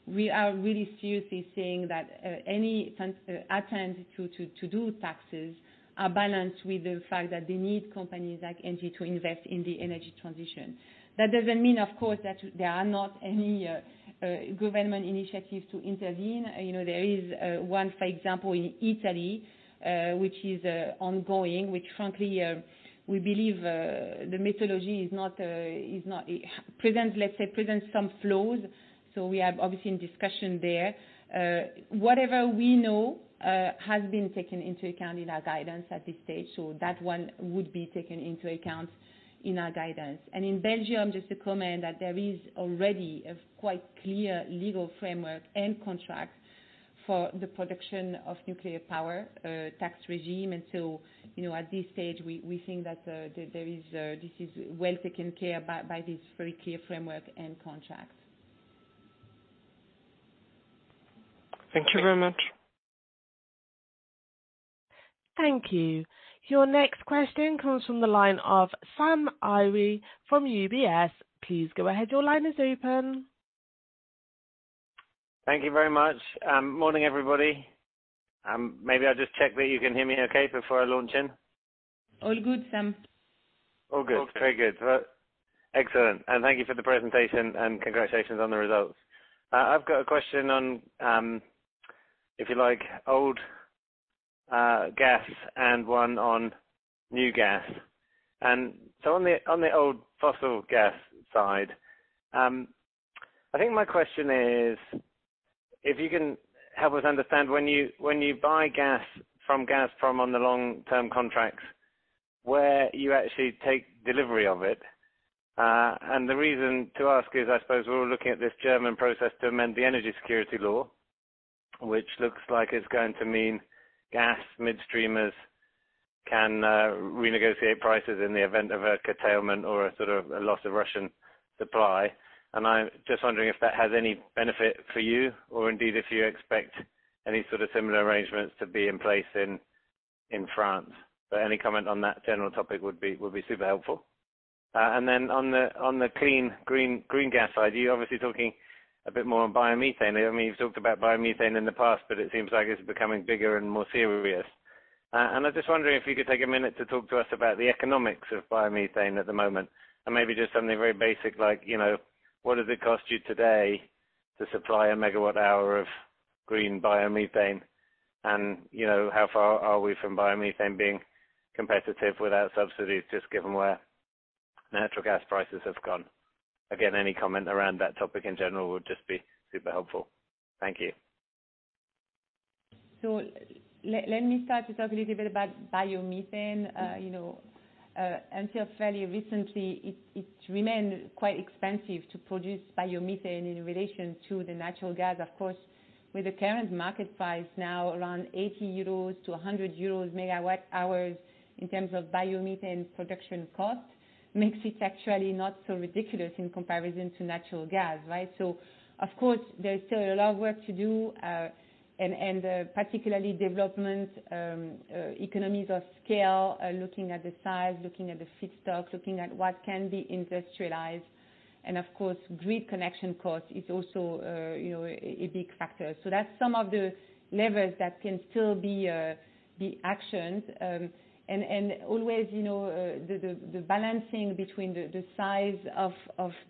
We are really seriously saying that any attempt to do taxes are balanced with the fact that they need companies like ENGIE to invest in the energy transition. That doesn't mean, of course, that there are not any government initiatives to intervene. You know, there is one, for example, in Italy, which is ongoing, which frankly, we believe the methodology is not, it presents, let's say, some flaws. We have obviously in discussions there. Whatever we know has been taken into account in our guidance at this stage. That one would be taken into account in our guidance. In Belgium, just to comment that there is already a quite clear legal framework and contract for the production of nuclear power, tax regime. You know, at this stage, we think that this is well taken care of by this very clear framework and contract.
Thank you very much.
Thank you. Your next question comes from the line of Sam Arie from UBS. Please go ahead. Your line is open.
Thank you very much. Morning, everybody. Maybe I'll just check that you can hear me okay before I launch in.
All good, Sam.
All good. Very good. Well, excellent. Thank you for the presentation and congratulations on the results. I've got a question on, if you like, old A question on gas and one on new gas. On the old fossil gas side, I think my question is, if you can help us understand when you buy gas from Gazprom on the long-term contracts, where you actually take delivery of it. The reason to ask is, I suppose we're all looking at this German process to amend the Energy Security Act, which looks like it's going to mean gas midstreamers can renegotiate prices in the event of a curtailment or a sort of a loss of Russian supply. I'm just wondering if that has any benefit for you or indeed if you expect any sort of similar arrangements to be in place in France. Any comment on that general topic would be super helpful. On the clean, green gas side, you're obviously talking a bit more on biomethane. I mean, you've talked about biomethane in the past, but it seems like it's becoming bigger and more serious. I'm just wondering if you could take a minute to talk to us about the economics of biomethane at the moment, and maybe just something very basic like, you know, what does it cost you today to supply a megawatt hour of green biomethane? You know, how far are we from biomethane being competitive without subsidies, just given where natural gas prices have gone? Again, any comment around that topic in general would just be super helpful. Thank you.
Let me start to talk a little bit about biomethane. You know, until fairly recently, it remained quite expensive to produce biomethane in relation to the natural gas. Of course, with the current market price now around 80-100 euros MWh in terms of biomethane production cost makes it actually not so ridiculous in comparison to natural gas, right? Of course, there's still a lot of work to do. Particularly development, economies of scale, looking at the size, looking at the feedstock, looking at what can be industrialized. Of course, grid connection cost is also, you know, a big factor. That's some of the levers that can still be actioned. Always, you know, the balancing between the size of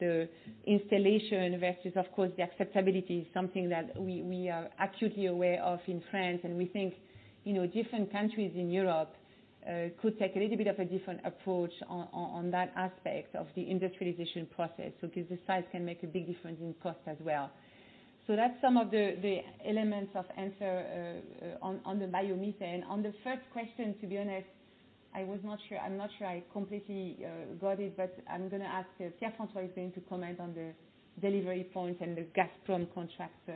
the installation versus of course, the acceptability is something that we are acutely aware of in France. We think, you know, different countries in Europe could take a little bit of a different approach on that aspect of the industrialization process, because the size can make a big difference in cost as well. That's some of the elements of answer on the biomethane. On the first question, to be honest, I was not sure. I'm not sure I completely got it, but I'm gonna ask Pierre-François to comment on the delivery point and the Gazprom contract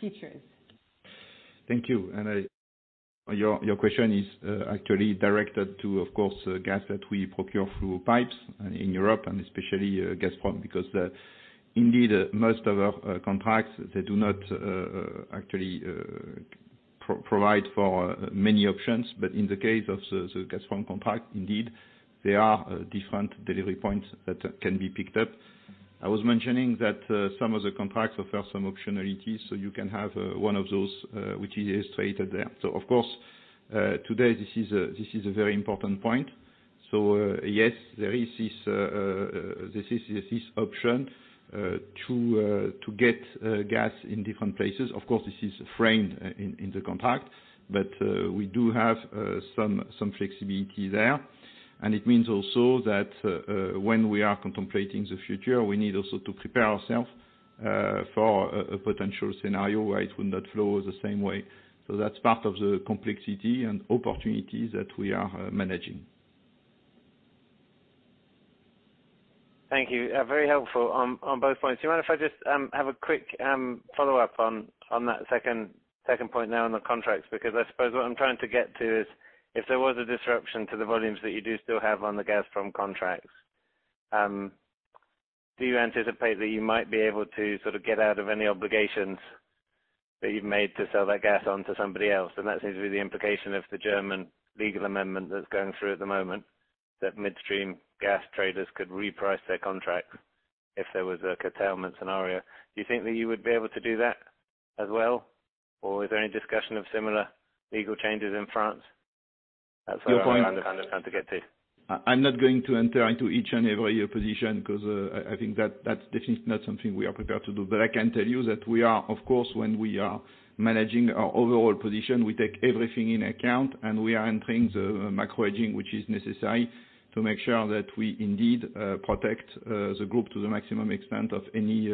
features.
Thank you. Your question is actually directed to, of course, gas that we procure through pipes in Europe and especially Gazprom, because indeed, most of our contracts, they do not actually provide for many options. In the case of the Gazprom contract, indeed, there are different delivery points that can be picked up. I was mentioning that some of the contracts offer some optionalities, so you can have one of those which is stated there. Of course today, this is a very important point. Yes, there is this option to get gas in different places. Of course, this is framed in the contract, but we do have some flexibility there. It means also that, when we are contemplating the future, we need also to prepare ourself for a potential scenario where it would not flow the same way. That's part of the complexity and opportunities that we are managing.
Thank you. Very helpful on both points. Do you mind if I just have a quick follow-up on that second point now on the contracts? Because I suppose what I'm trying to get to is if there was a disruption to the volumes that you do still have on the Gazprom contracts, do you anticipate that you might be able to sort of get out of any obligations that you've made to sell that gas on to somebody else? That seems to be the implication of the German legal amendment that's going through at the moment, that midstream gas traders could reprice their contracts if there was a curtailment scenario. Do you think that you would be able to do that as well? Or is there any discussion of similar legal changes in France? That's what I'm
Your point.
I'm trying to get to.
I'm not going to enter into each and every position because I think that that's definitely not something we are prepared to do. I can tell you that we are, of course, when we are managing our overall position, we take everything into account, and we are entering the micro hedging, which is necessary to make sure that we indeed protect the group to the maximum extent of any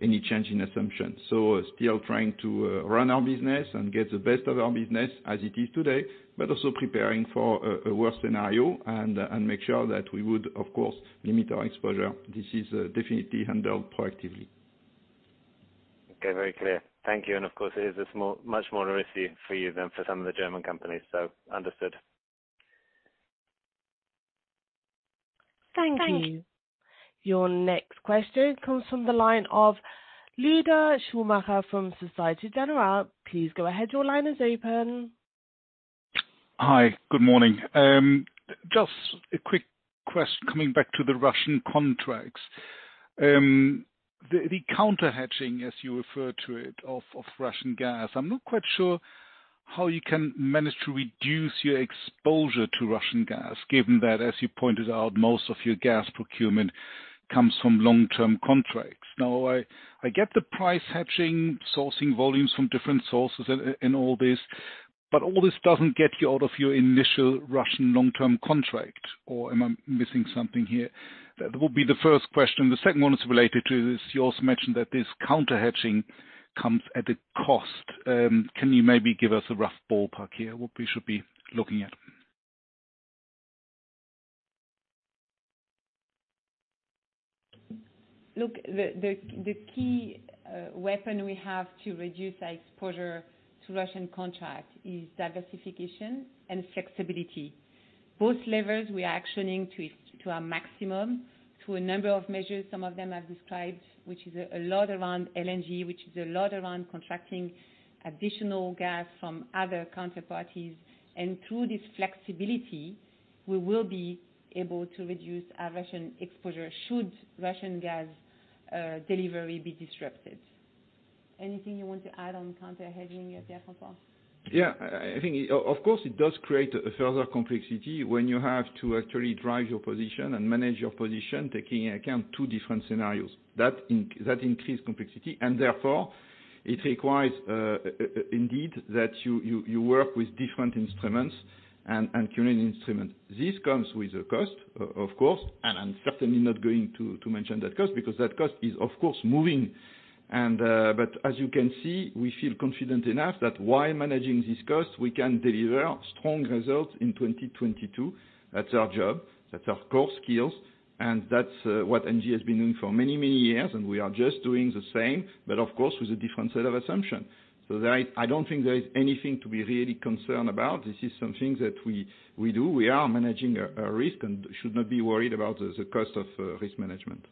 change in assumption. Still trying to run our business and get the best of our business as it is today, but also preparing for a worse scenario and make sure that we would, of course, limit our exposure. This is definitely handled proactively.
Okay. Very clear. Thank you. Of course it is smaller, much more risky for you than for some of the German companies. Understood.
Thank you. Your next question comes from the line of Lueder Schumacher from Société Générale. Please go ahead. Your line is open.
Hi. Good morning. Coming back to the Russian contracts. The counter hedging, as you refer to it, of Russian gas. I'm not quite sure how you can manage to reduce your exposure to Russian gas, given that, as you pointed out, most of your gas procurement comes from long-term contracts. Now, I get the price hedging, sourcing volumes from different sources and all this, but all this doesn't get you out of your initial Russian long-term contract, or am I missing something here? That would be the first question. The second one is related to this. You also mentioned that this counter hedging comes at a cost. Can you maybe give us a rough ballpark here, what we should be looking at?
Look, the key weapon we have to reduce our exposure to Russian contract is diversification and flexibility. Both levers we are actioning to a maximum, through a number of measures, some of them I've described, which is a lot around LNG, which is a lot around contracting additional gas from other counterparties. Through this flexibility, we will be able to reduce our Russian exposure should Russian gas delivery be disrupted. Anything you want to add on counter hedging, Pierre-François?
Yeah. I think, of course, it does create a further complexity when you have to actually drive your position and manage your position, taking into account two different scenarios. That increased complexity, and therefore it requires indeed that you work with different instruments and current instruments. This comes with a cost, of course, and I'm certainly not going to mention that cost because that cost is of course moving. As you can see, we feel confident enough that while managing this cost, we can deliver strong results in 2022. That's our job, that's our core skills, and that's what ENGIE has been doing for many, many years, and we are just doing the same, but of course, with a different set of assumption. I don't think there is anything to be really concerned about. This is something that we do. We are managing a risk and should not be worried about the cost of risk management.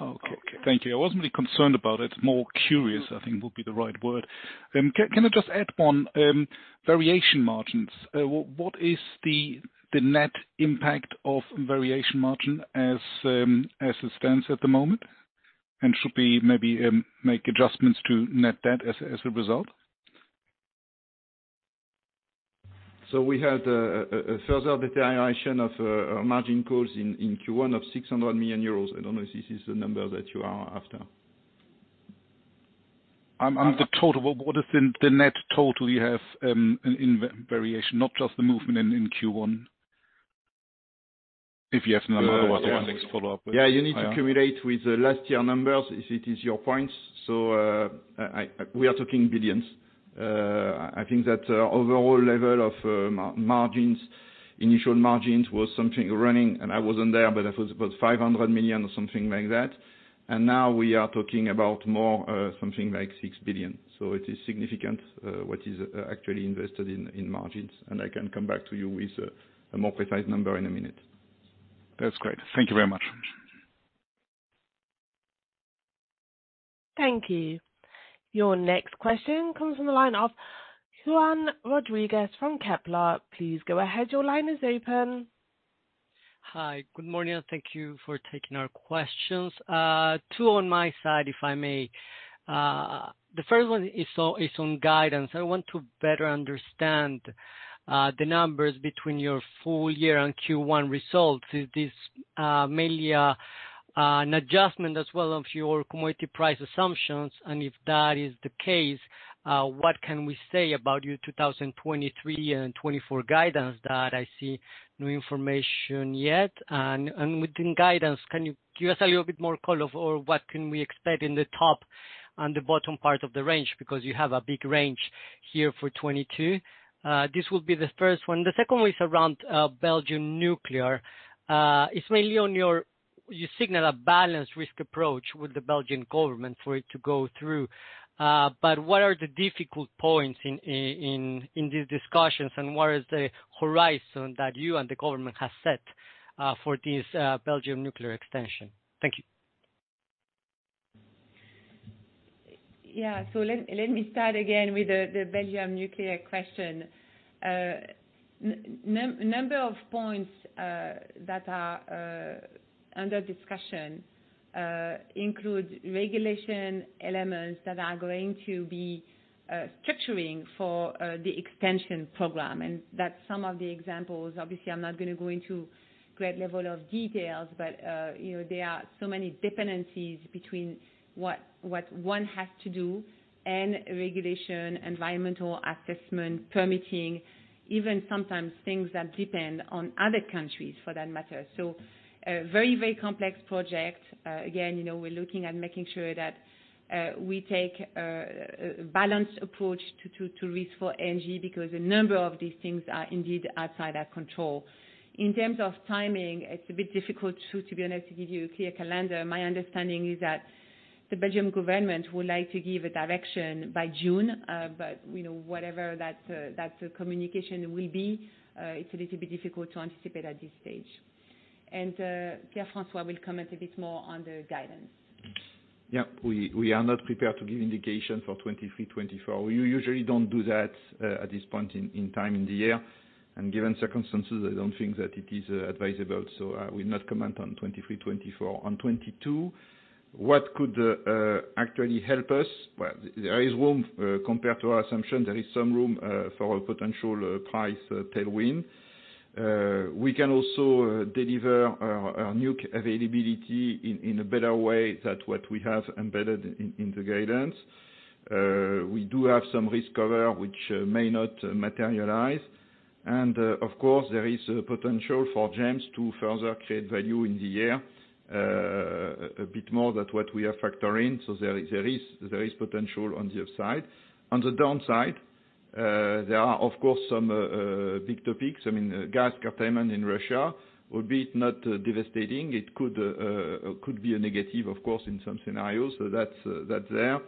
Okay. Thank you. I wasn't really concerned about it. More curious, I think would be the right word. Can I just add one, variation margins? What is the net impact of variation margin as it stands at the moment? Should we maybe make adjustments to net debt as a result?
We had a further deterioration of margin costs in Q1 of 600 million euros. I don't know if this is the number that you are after.
The total, what is the net total you have in variation, not just the movement in Q1? If you have another one.
Yeah. You need to accumulate with the last year numbers, if it is your points. We are talking billions. I think that overall level of margins, initial margins was something running, and I wasn't there, but it was about 500 million or something like that. Now we are talking about more, something like 6 billion. It is significant, what is actually invested in margins, and I can come back to you with a more precise number in a minute.
That's great. Thank you very much.
Thank you. Your next question comes from the line of Juan Rodriguez from Kepler Cheuvreux. Please go ahead. Your line is open.
Hi. Good morning, and thank you for taking our questions. Two on my side, if I may. The first one is on guidance. I want to better understand the numbers between your full year and Q1 results. Is this mainly an adjustment as well of your commodity price assumptions? And if that is the case, what can we say about your 2023 and 2024 guidance that I see no information yet? And within guidance, can you give us a little bit more color for what can we expect in the top and the bottom part of the range? Because you have a big range here for 2022. This will be the first one. The second one is around Belgian nuclear. You signal a balanced risk approach with the Belgian government for it to go through. What are the difficult points in these discussions, and what is the horizon that you and the government have set for this Belgian nuclear extension? Thank you.
Yeah. Let me start again with the Belgian nuclear question. Number of points that are under discussion include regulatory elements that are going to be structuring for the extension program. That's some of the examples. Obviously, I'm not gonna go into great deal of detail, but you know, there are so many dependencies between what one has to do and regulation, environmental assessment, permitting, even sometimes things that depend on other countries for that matter. A very, very complex project. Again, you know, we're looking at making sure that we take a balanced approach to risk for ENGIE, because a number of these things are indeed outside our control. In terms of timing, it's a bit difficult to be honest, to give you a clear calendar. My understanding is that the Belgian government would like to give a direction by June, but, you know, whatever that communication will be, it's a little bit difficult to anticipate at this stage. Pierre-François will comment a bit more on the guidance.
Yeah. We are not prepared to give indication for 2023-2024. We usually don't do that at this point in time in the year. Given circumstances, I don't think that it is advisable, so I will not comment on 2023-2024. On 2022, what could actually help us? Well, there is room compared to our assumption, there is some room for a potential price tailwind. We can also deliver our nuclear availability in a better way than what we have embedded in the guidance. We do have some risk cover which may not materialize. Of course, there is potential for GEMS to further create value in the year a bit more than what we are factoring. There is potential on the upside. On the downside, there are of course some big topics. I mean, gas containment in Russia will be not devastating. It could be a negative of course in some scenarios. So that's there.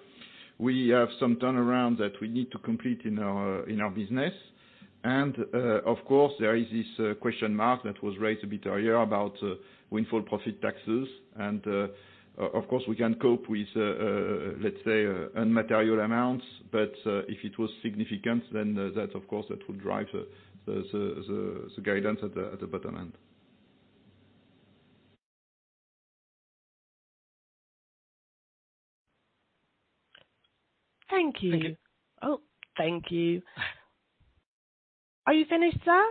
We have some turnarounds that we need to complete in our business. Of course, there is this question mark that was raised a bit earlier about windfall profit taxes. Of course, we can cope with, let's say, immaterial amounts. If it was significant, then that of course would drive the guidance at the bottom end.
Thank you.
Thank you.
Oh, thank you. Are you finished, sir?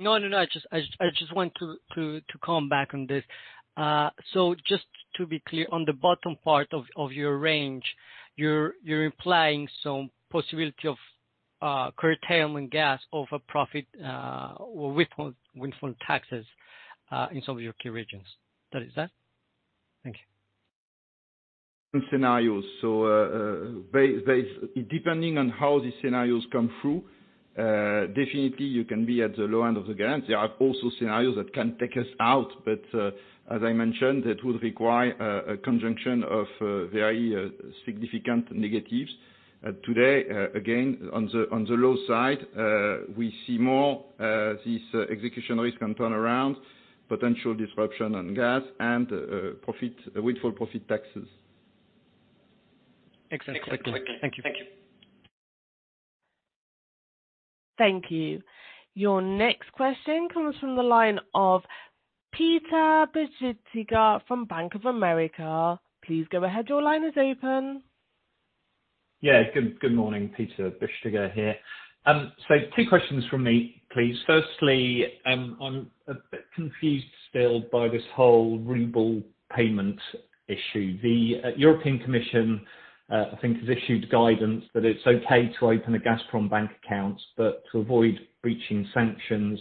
No. I just want to come back on this. Just to be clear, on the bottom part of your range, you're implying some possibility of curtailment gas over profit or windfall taxes in some of your key regions. Is that? Thank you.
Scenarios. Depending on how the scenarios come through, definitely you can be at the low end of the guidance. There are also scenarios that can take us out. As I mentioned, that would require a conjunction of very significant negatives. Today, again, on the low side, we see more of this execution risk and turnaround, potential disruption on gas and windfall profit taxes.
Excellent. Thank you.
Thank you. Your next question comes from the line of Peter Bisztyga from Bank of America. Please go ahead. Your line is open.
Good morning. Peter Bisztyga here. Two questions from me, please. Firstly, I'm a bit confused still by this whole ruble payment issue. The European Commission, I think has issued guidance that it's okay to open a Gazprombank account, but to avoid breaching sanctions,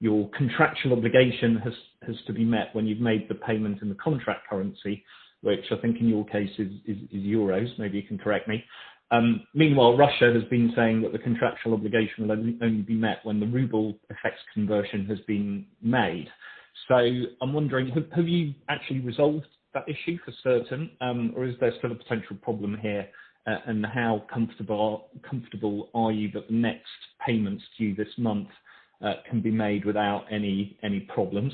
your contractual obligation has to be met when you've made the payment in the contract currency, which I think in your case is euros. Maybe you can correct me. Meanwhile, Russia has been saying that the contractual obligation will only be met when the ruble FX conversion has been made. I'm wondering, have you actually resolved that issue for certain, or is there still a potential problem here? And how comfortable are you that the next payments due this month can be made without any problems?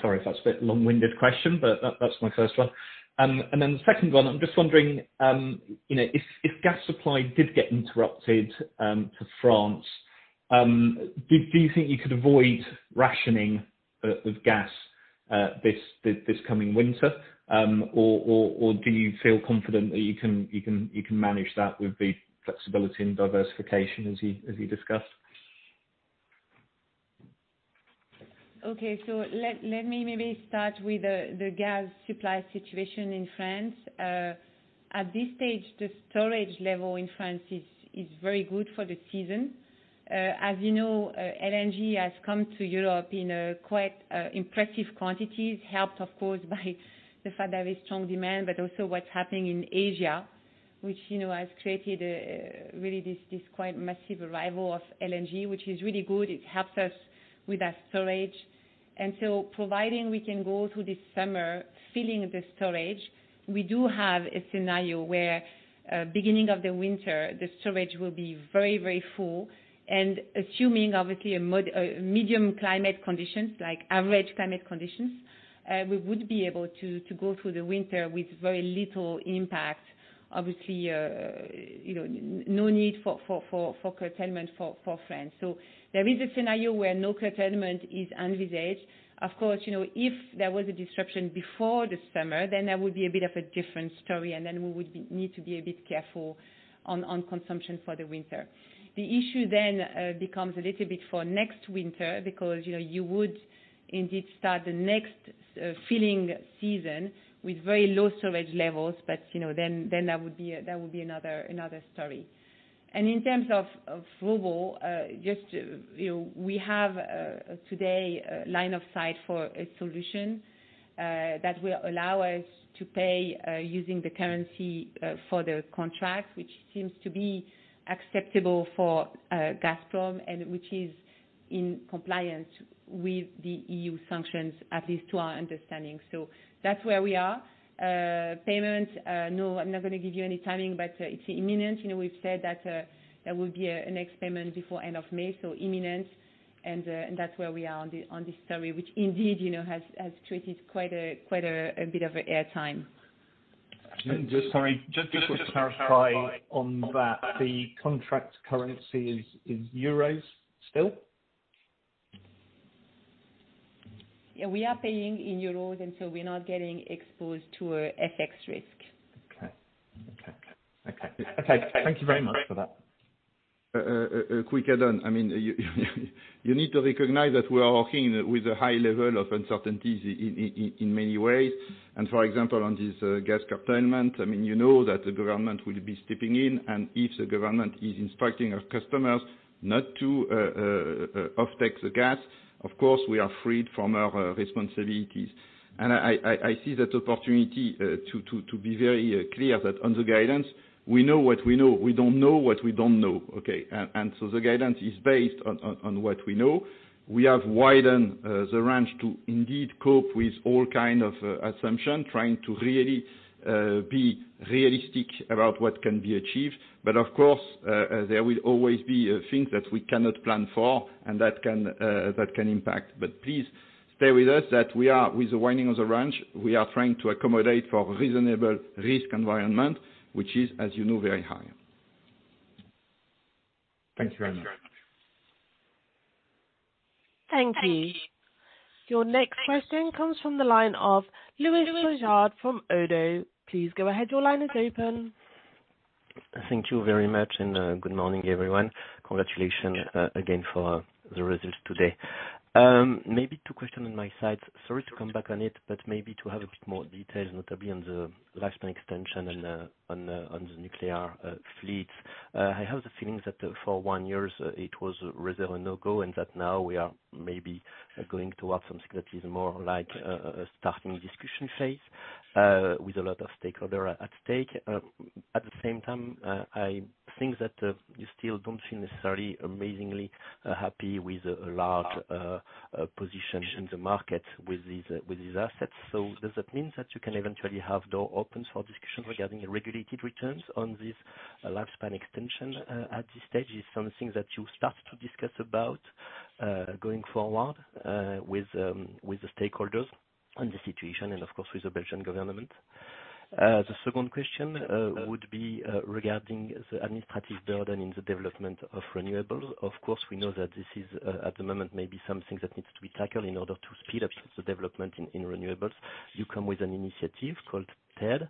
Sorry if that's a bit long-winded question, but that's my first one. The second one, I'm just wondering, you know, if gas supply did get interrupted to France, do you think you could avoid rationing of gas this coming winter? Or do you feel confident that you can manage that with the flexibility and diversification as you discussed?
Okay. Let me maybe start with the gas supply situation in France. At this stage, the storage level in France is very good for the season. As you know, LNG has come to Europe in quite impressive quantities, helped of course by the fact there is strong demand, but also what's happening in Asia, which you know has created really this quite massive arrival of LNG, which is really good. It helps us with our storage. Providing we can go through this summer filling the storage, we do have a scenario where beginning of the winter, the storage will be very very full. Assuming obviously medium climate conditions, like average climate conditions, we would be able to go through the winter with very little impact, obviously, you know, no need for curtailment for France. There is a scenario where no curtailment is envisaged. Of course, you know, if there was a disruption before this summer, then there would be a bit of a different story, and then we would need to be a bit careful on consumption for the winter. The issue then becomes a little bit for next winter because, you know, you would indeed start the next filling season with very low storage levels. You know, then that would be another story. In terms of ruble, just you know, we have today a line of sight for a solution that will allow us to pay using the currency for the contract, which seems to be acceptable for Gazprom and which is in compliance with the EU sanctions, at least to our understanding. So that's where we are. Payment, no, I'm not gonna give you any timing, but it's imminent. You know, we've said that there will be a next payment before end of May, so imminent. And that's where we are on this story, which indeed, you know, has created quite a bit of air time.
Just to clarify on that, the contract currency is euros still?
Yeah, we are paying in euros, and so we're not getting exposed to a FX risk.
Okay, thank you very much for that.
A quick add-on. I mean, you need to recognize that we are working with a high level of uncertainties in many ways. For example, on this gas curtailment, I mean, you know that the government will be stepping in, and if the government is instructing our customers not to offtake the gas, of course, we are freed from our responsibilities. I see that opportunity to be very clear that on the guidance, we know what we know. We don't know what we don't know, okay? So the guidance is based on what we know. We have widened the range to indeed cope with all kinds of assumptions, trying to really be realistic about what can be achieved. Of course, there will always be things that we cannot plan for and that can impact. Please stay with us, that we are, with the widening of the range, we are trying to accommodate for reasonable risk environment, which is, as you know, very high.
Thank you very much.
Thank you. Your next question comes from the line of Louis Bourjard from Oddo BHF. Please go ahead. Your line is open.
Thank you very much, good morning, everyone. Congratulations, again for the results today. Maybe two questions on my side. Sorry to come back on it, but maybe to have a bit more details, notably on the lifespan extension and on the nuclear fleets. I have the feeling that for one year, it was reserved a no-go, and that now we are maybe going towards something that is more like a starting discussion phase, with a lot of stakeholders at stake. At the same time, I think that you still don't feel necessarily amazingly happy with a large position in the market with these assets. Does that mean that you can eventually have doors open for discussions regarding the regulated returns on this lifespan extension? At this stage, is something that you start to discuss about going forward with the stakeholders on the situation and of course with the Belgian government. The second question would be regarding the administrative burden in the development of renewables. Of course, we know that this is at the moment maybe something that needs to be tackled in order to speed up the development in renewables. You come with an initiative called TED,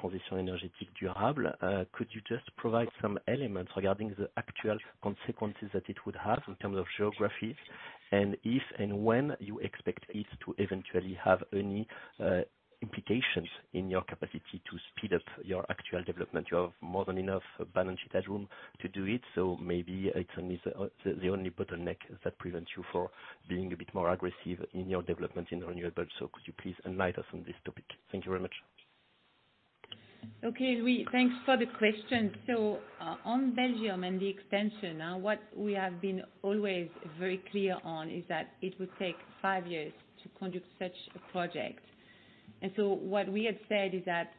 Transition Énergétique Durable. Could you just provide some elements regarding the actual consequences that it would have in terms of geographies? If and when you expect this to eventually have any implications in your capacity to speed up your actual development. You have more than enough balance sheet headroom to do it, so maybe it's only the only bottleneck that prevents you from being a bit more aggressive in your development in renewables. Could you please enlighten us on this topic? Thank you very much.
Thanks for the question. On Belgium and the extension, what we have been always very clear on is that it would take five years to conduct such a project. What we had said is that,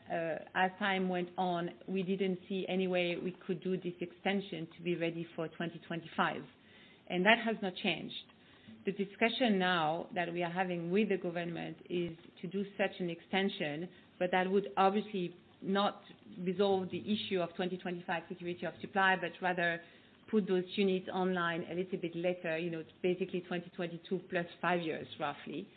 as time went on, we didn't see any way we could do this extension to be ready for 2025, and that has not changed. The discussion now that we are having with the government is to do such an extension, but that would obviously not resolve the issue of 2025 security of supply, but rather put those units online a little bit later. You know, basically 2022 plus five years, roughly,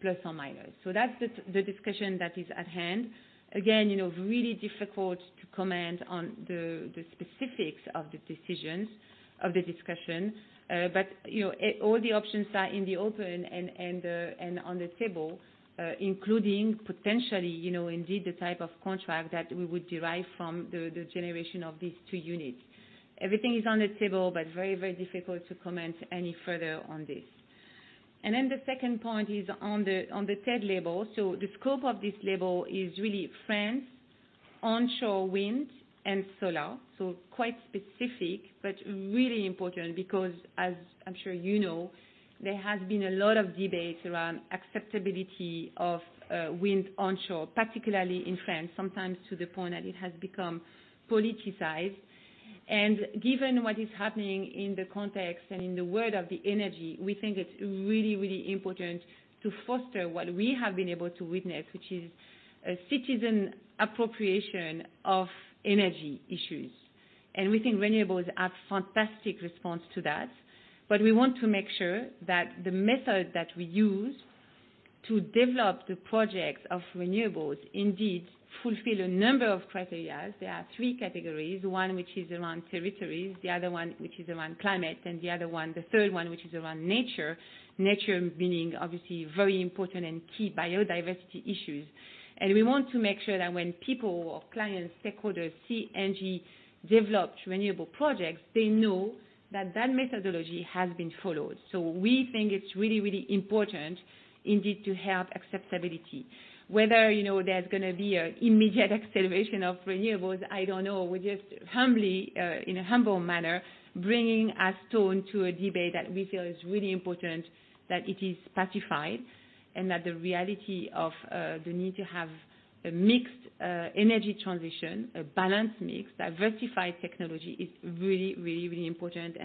plus or minus. That's the discussion that is at hand. You know, really difficult to comment on the specifics of the decisions of the discussion, but you know, all the options are in the open and on the table, including potentially, you know, indeed the type of contract that we would derive from the generation of these two units. Everything is on the table, but very, very difficult to comment any further on this. The second point is on the TED label. The scope of this label is really France onshore wind and solar. Quite specific, but really important because, as I'm sure you know, there has been a lot of debates around acceptability of wind onshore, particularly in France, sometimes to the point that it has become politicized. Given what is happening in the context and in the world of the energy, we think it's really, really important to foster what we have been able to witness, which is a citizen appropriation of energy issues. We think renewables have fantastic response to that. We want to make sure that the method that we use to develop the projects of renewables indeed fulfill a number of criteria. There are three categories, one which is around territories, the other one which is around climate, and the other one, the third one, which is around nature. Nature meaning, obviously, very important and key biodiversity issues. We want to make sure that when people or clients, stakeholders, see ENGIE developed renewable projects, they know that that methodology has been followed. We think it's really, really important indeed, to have acceptability. Whether, you know, there's gonna be an immediate acceleration of renewables, I don't know. We just humbly, in a humble manner, bringing a stone to a debate that we feel is really important, that it is pacified and that the reality of, the need to have a mixed, energy transition, a balanced mix, diversified technology is really important.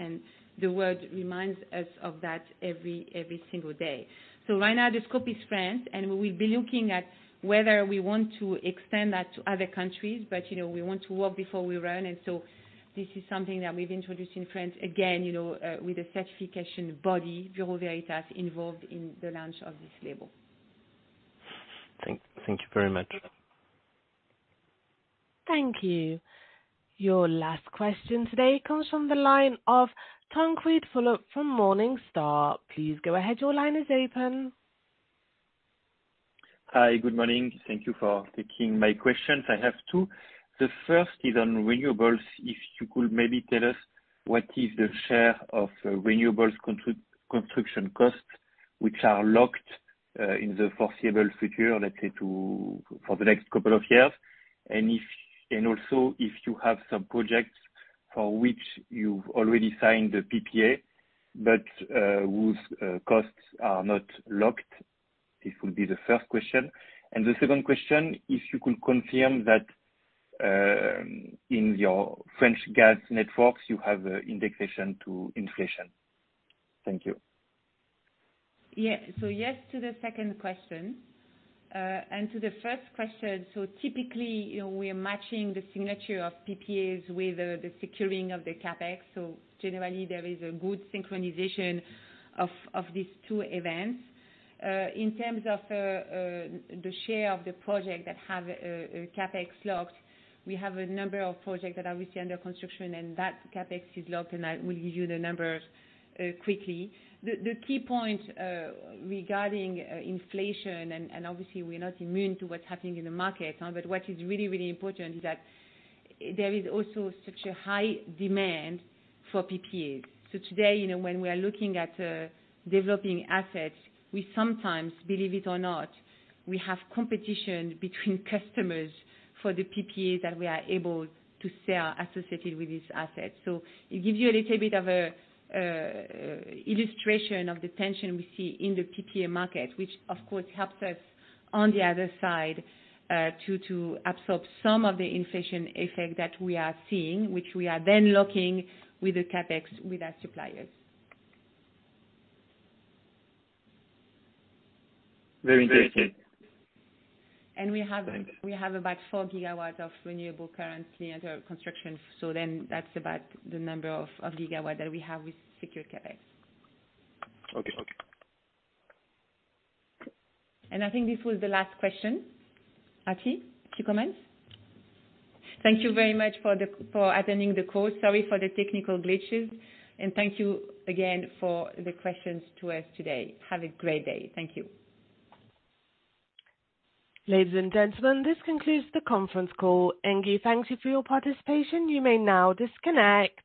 The world reminds us of that every single day. Right now, the scope is France, and we'll be looking at whether we want to extend that to other countries. You know, we want to walk before we run, and so this is something that we've introduced in France, again, you know, with a certification body, Bureau Veritas, involved in the launch of this label.
Thank you very much.
Thank you. Your last question today comes from the line of Tancrède Fulop from Morningstar. Please go ahead. Your line is open.
Hi, good morning. Thank you for taking my questions. I have two. The first is on renewables. If you could maybe tell us what is the share of renewables construction costs which are locked in the foreseeable future, let's say for the next couple of years. Also if you have some projects for which you've already signed the PPA, but whose costs are not locked. This will be the first question. The second question, if you could confirm that in your French gas networks, you have indexation to inflation. Thank you.
Yes to the second question, and to the first question. Typically, you know, we are matching the signature of PPAs with the securing of the CapEx. Generally there is a good synchronization of these two events. In terms of the share of the projects that have CapEx locked, we have a number of projects that are under construction and that have CapEx locked, and I will give you the numbers quickly. The key point regarding inflation and obviously we're not immune to what's happening in the market, but what is really important is that there is also such a high demand for PPAs. Today, you know, when we are looking at developing assets, we sometimes, believe it or not, we have competition between customers for the PPAs that we are able to sell associated with these assets. It gives you a little bit of an illustration of the tension we see in the PPA market, which of course helps us on the other side to absorb some of the inflation effect that we are seeing, which we are then locking with the CapEx with our suppliers.
Very interesting.
We have.
Thanks.
We have about 4 GW of renewable currently under construction. That's about the number of gigawatt that we have with secure CapEx.
Okay.
I think this was the last question. Aarti, to comment?
Thank you very much for attending the call. Sorry for the technical glitches. Thank you again for the questions to us today. Have a great day. Thank you.
Ladies and gentlemen, this concludes the conference call. ENGIE thanks you for your participation. You may now disconnect.